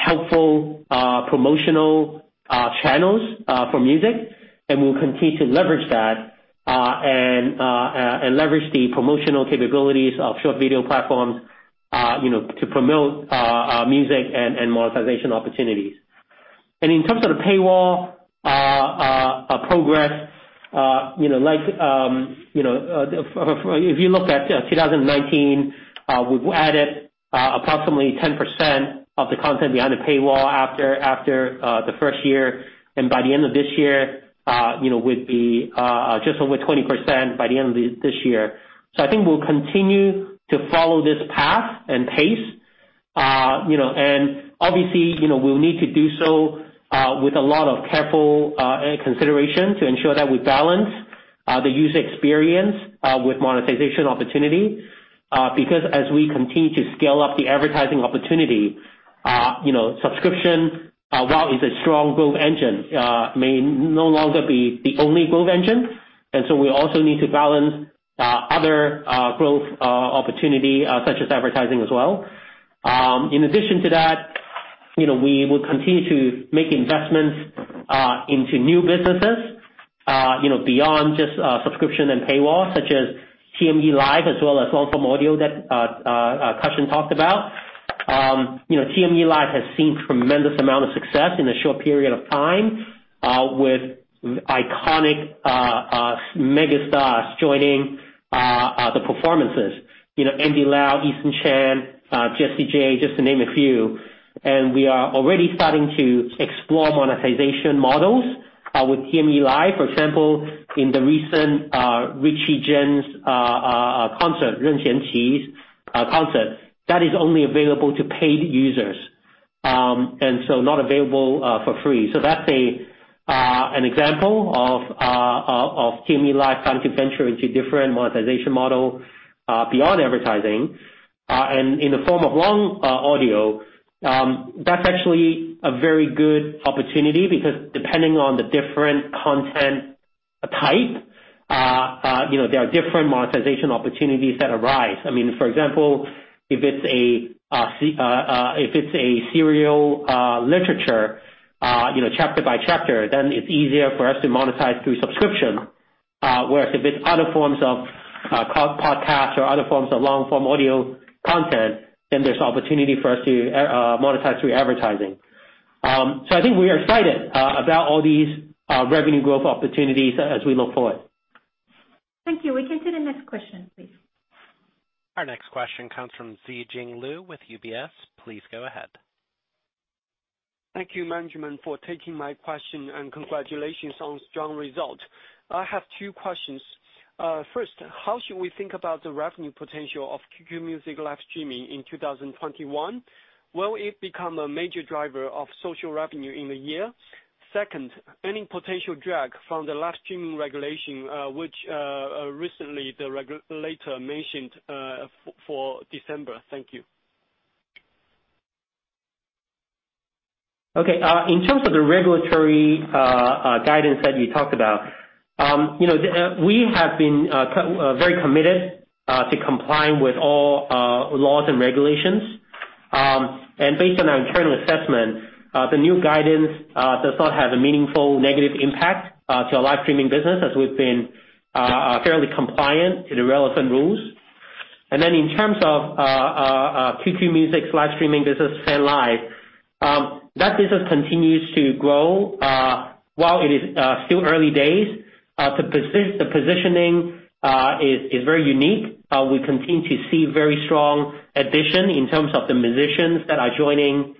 helpful promotional channels for music, and we'll continue to leverage that, and leverage the promotional capabilities of short video platforms to promote music and monetization opportunities. In terms of the paywall progress, if you look at 2019, we've added approximately 10% of the content behind the paywall after the first year. By the end of this year, we'd be just over 20% by the end of this year. I think we'll continue to follow this path and pace. Obviously, we'll need to do so with a lot of careful consideration to ensure that we balance the user experience with monetization opportunity. As we continue to scale up the advertising opportunity, subscription, while is a strong growth engine, may no longer be the only growth engine. We also need to balance other growth opportunity, such as advertising as well. In addition to that, we will continue to make investments into new businesses beyond just subscription and paywall, such as TME Live, as well as long-form audio that Kar Shun talked about. TME Live has seen tremendous amount of success in a short period of time, with iconic mega stars joining the performances. Andy Lau, Eason Chan, Jessie J, just to name a few. We are already starting to explore monetization models with TME Live. For example, in the recent Richie Jen's concert, Ren Xianqi's concert, that is only available to paid users, not available for free. That's an example of TME Live trying to venture into different monetization model beyond advertising. In the form of long audio, that's actually a very good opportunity because depending on the different content type, there are different monetization opportunities that arise. For example, if it's a serial literature, chapter by chapter, then it's easier for us to monetize through subscription. Whereas if it's other forms of podcast or other forms of long-form audio content, then there's opportunity for us to monetize through advertising. I think we are excited about all these revenue growth opportunities as we look forward. Thank you. We can take the next question, please. Our next question comes from Zijing Liu with UBS. Please go ahead. Thank you, management, for taking my question, and congratulations on strong result. I have two questions. First, how should we think about the revenue potential of QQ Music live streaming in 2021? Will it become a major driver of social revenue in the year? Second, any potential drag from the live streaming regulation which recently the regulator mentioned for December? Thank you. Okay. In terms of the regulatory guidance that you talked about, we have been very committed to complying with all laws and regulations. Based on our internal assessment, the new guidance does not have a meaningful negative impact to our live streaming business, as we've been fairly compliant to the relevant rules. In terms of QQ Music's live streaming business, Fan Live. That business continues to grow, while it is still early days. The positioning is very unique. We continue to see very strong addition in terms of the musicians that are joining the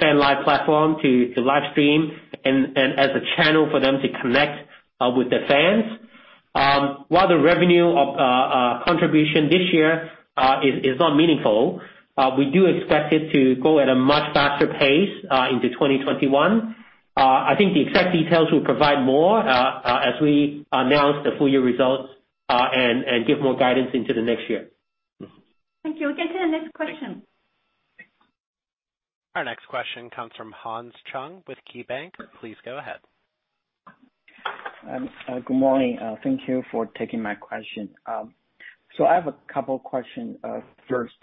Fan Live platform to live stream and as a channel for them to connect with their fans. While the revenue of contribution this year is not meaningful, we do expect it to grow at a much faster pace into 2021.I think the exact details we'll provide more as we announce the full year results and give more guidance into the next year. Thank you. We'll get to the next question. Our next question comes from Hans Chung with KeyBanc. Please go ahead. Good morning. Thank you for taking my question. I have a couple of questions. First,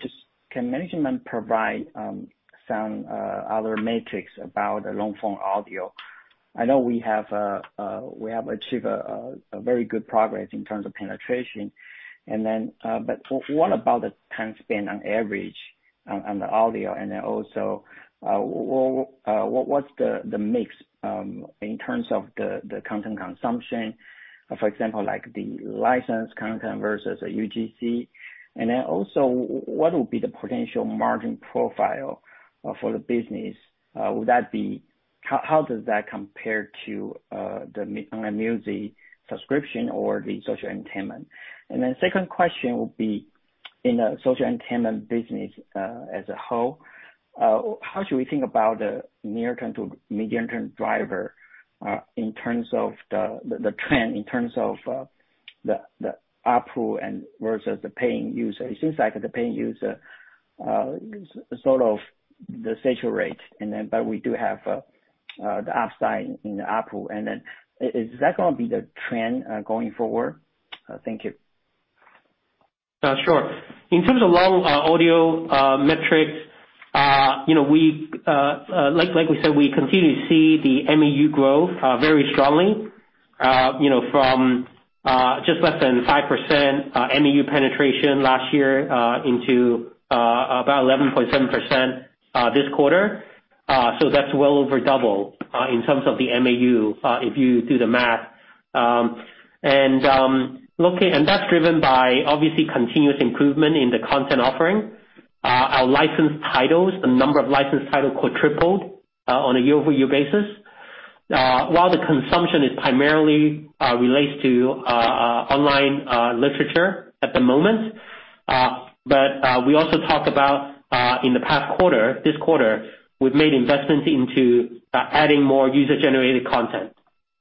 just can management provide some other metrics about the long-form audio? I know we have achieved very good progress in terms of penetration. What about the time spent on average on the audio, also, what's the mix in terms of the content consumption, for example, like the licensed content versus UGC? Also, what will be the potential margin profile for the business? How does that compare to the online music subscription or the social entertainment? Second question would be in the social entertainment business as a whole, how should we think about the near-term to medium-term driver in terms of the trend, in terms of the ARPU versus the paying users? It seems like the paying user sort of the saturated, but we do have the upside in the ARPU. Is that going to be the trend going forward? Thank you. Sure. In terms of long audio metrics, like we said, we continue to see the MAU growth very strongly, from just less than 5% MAU penetration last year into about 11.7% this quarter. That's well over double in terms of the MAU if you do the math. That's driven by obviously continuous improvement in the content offering. Our licensed titles, the number of licensed titles quarter tripled on a year-over-year basis. While the consumption is primarily relates to online literature at the moment, but we also talk about in the past quarter, this quarter, we've made investments into adding more user-generated content.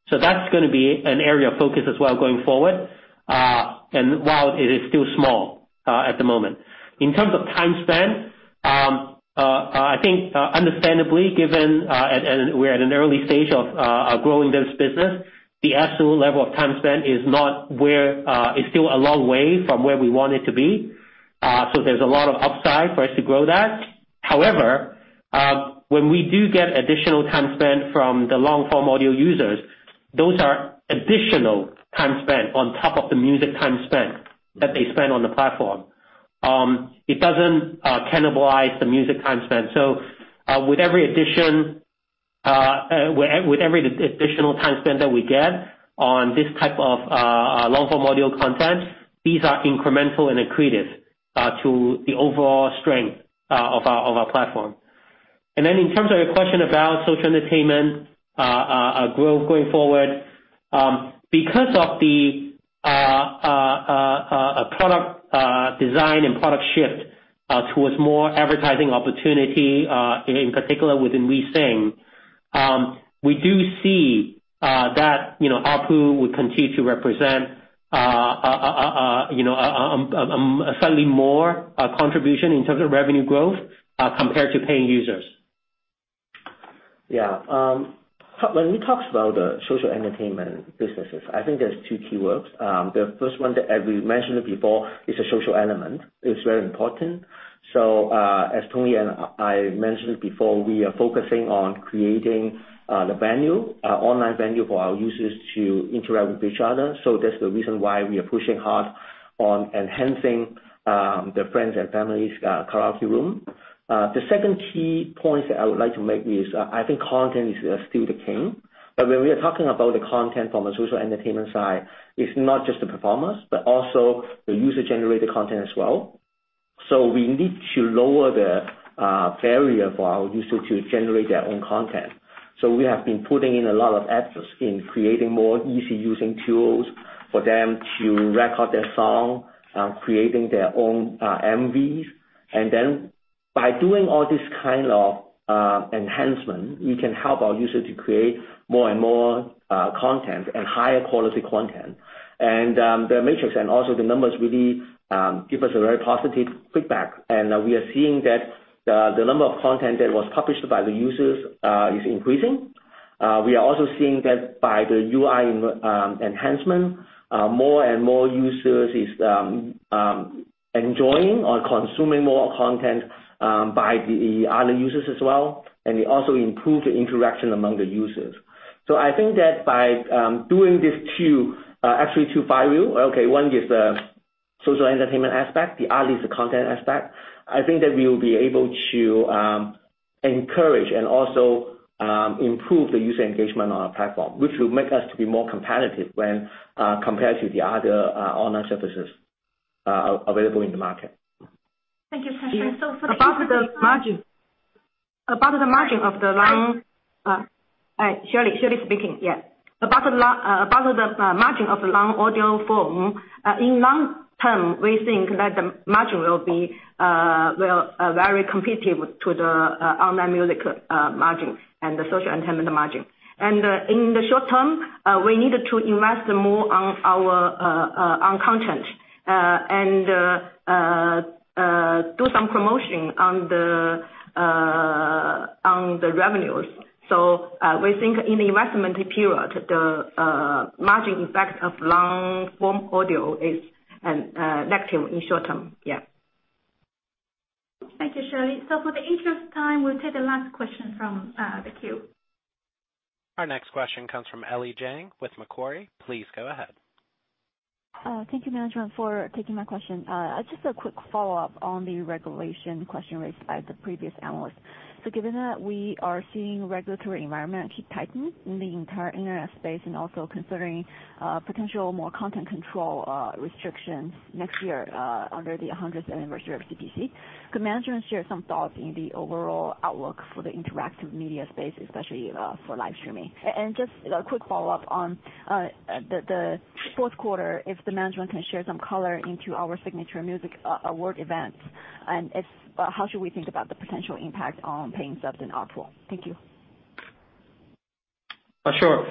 That's going to be an area of focus as well going forward, and while it is still small at the moment. In terms of time spent, I think understandably given we're at an early stage of growing this business, the absolute level of time spent is still a long way from where we want it to be. There's a lot of upside for us to grow that. However, when we do get additional time spent from the long-form audio users, those are additional time spent on top of the music time spent that they spend on the platform. It doesn't cannibalize the music time spent. With every additional time spent that we get on this type of long-form audio content, these are incremental and accretive to the overall strength of our platform. In terms of your question about social entertainment growth going forward, because of the product design and product shift towards more advertising opportunity, in particular within WeSing, we do see that ARPU will continue to represent a slightly more contribution in terms of revenue growth compared to paying users. When we talk about the social entertainment businesses, I think there's two keywords. The first one that we mentioned before is a social element, it's very important. As Tony and I mentioned before, we are focusing on creating the online venue for our users to interact with each other. That's the reason why we are pushing hard on enhancing the Friend KTV. The second key point that I would like to make is, I think content is still the king. When we are talking about the content from a social entertainment side, it's not just the performers, but also the user-generated content as well. We need to lower the barrier for our users to generate their own content. We have been putting in a lot of efforts in creating more easy using tools for them to record their song, creating their own MVs. By doing all this kind of enhancement, we can help our users to create more and more content and higher quality content. The metrics and also the numbers really give us a very positive feedback. We are seeing that the number of content that was published by the users is increasing. We are also seeing that by the UI enhancement, more and more users is enjoying or consuming more content by the other users as well, and it also improve the interaction among the users. I think that by doing this actually two flywheel. Okay, one is the social entertainment aspect, the artist content aspect. I think that we will be able to encourage and also improve the user engagement on our platform, which will make us to be more competitive when compared to the other online services available in the market. Thank you. [unintelligible] About the margin of the long-form audio. In long-term, we think that the margin will be very competitive to the online music margin and the social entertainment margin. In the short term, we need to invest more on content, and do some promotion on the revenues. We think in the investment period, the margin impact of long-form audio is negative in short term. Yeah. Thank you, Shirley. For the interest of time, we'll take the last question from the queue. Our next question comes from Ellie Jiang with Macquarie. Please go ahead. Thank you, management, for taking my question. Just a quick follow-up on the regulation question raised by the previous analyst. Given that we are seeing regulatory environment keep tightening in the entire internet space and also considering potential more content control restrictions next year under the 100th anniversary of CPC, could management share some thoughts in the overall outlook for the interactive media space, especially for live streaming? Just a quick follow-up on the fourth quarter, if the management can share some color into our signature music award events, and how should we think about the potential impact on paying subs in Q4? Thank you. Sure.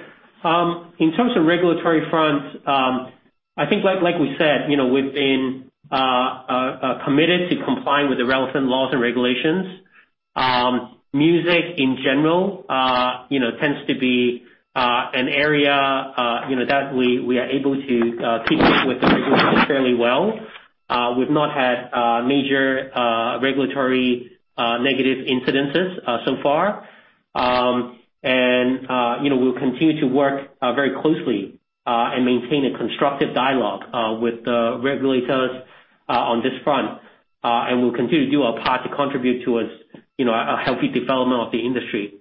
In terms of regulatory front, I think like we said, we've been committed to complying with the relevant laws and regulations. Music in general tends to be an area that we are able to keep up with the regulations fairly well. We've not had major regulatory negative incidences so far. We'll continue to work very closely and maintain a constructive dialogue with the regulators on this front. We'll continue to do our part to contribute towards a healthy development of the industry.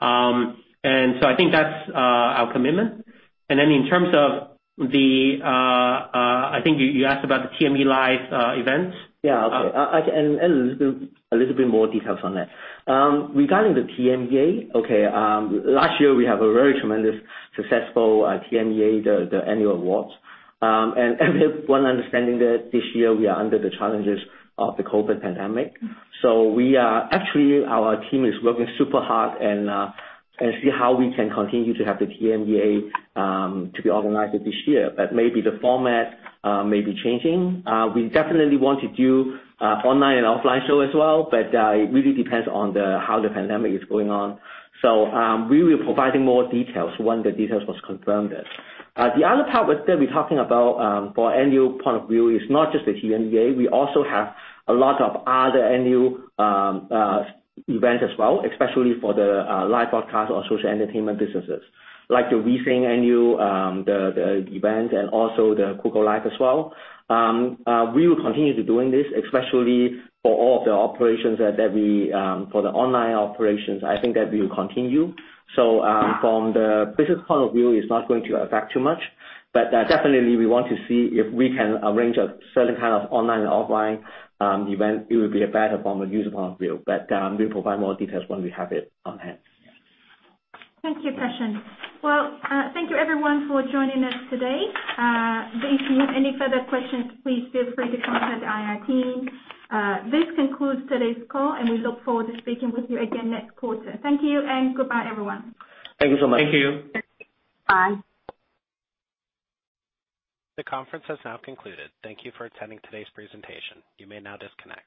I think that's our commitment. In terms of the I think you asked about the TME Live events? Yeah, okay. A little bit more details on that. Regarding the TMEA, okay, last year we have a very tremendous successful TMEA, the annual awards. Everyone understanding that this year we are under the challenges of the COVID pandemic. Actually, our team is working super hard and see how we can continue to have the TMEA to be organized this year. Maybe the format may be changing. We definitely want to do online and offline show as well, but it really depends on how the pandemic is going on. We will be providing more details when the details were confirmed. The other part that we're talking about, for annual point of view is not just the TMEA. We also have a lot of other annual events as well, especially for the live broadcast or social entertainment businesses, like the WeSing annual event and also the Kugou Live as well. We will continue to do this, especially for all of the online operations. I think that we will continue. From the business point of view, it's not going to affect too much. Definitely we want to see if we can arrange a certain kind of online and offline event. It would be a better form of user point of view. We'll provide more details when we have it on hand. Thank you, Preston. Well, thank you everyone for joining us today. If you have any further questions, please feel free to contact the IR team. This concludes today's call, and we look forward to speaking with you again next quarter. Thank you and goodbye, everyone. Thank you so much. Thank you. Bye. The conference has now concluded. Thank you for attending today's presentation. You may now disconnect.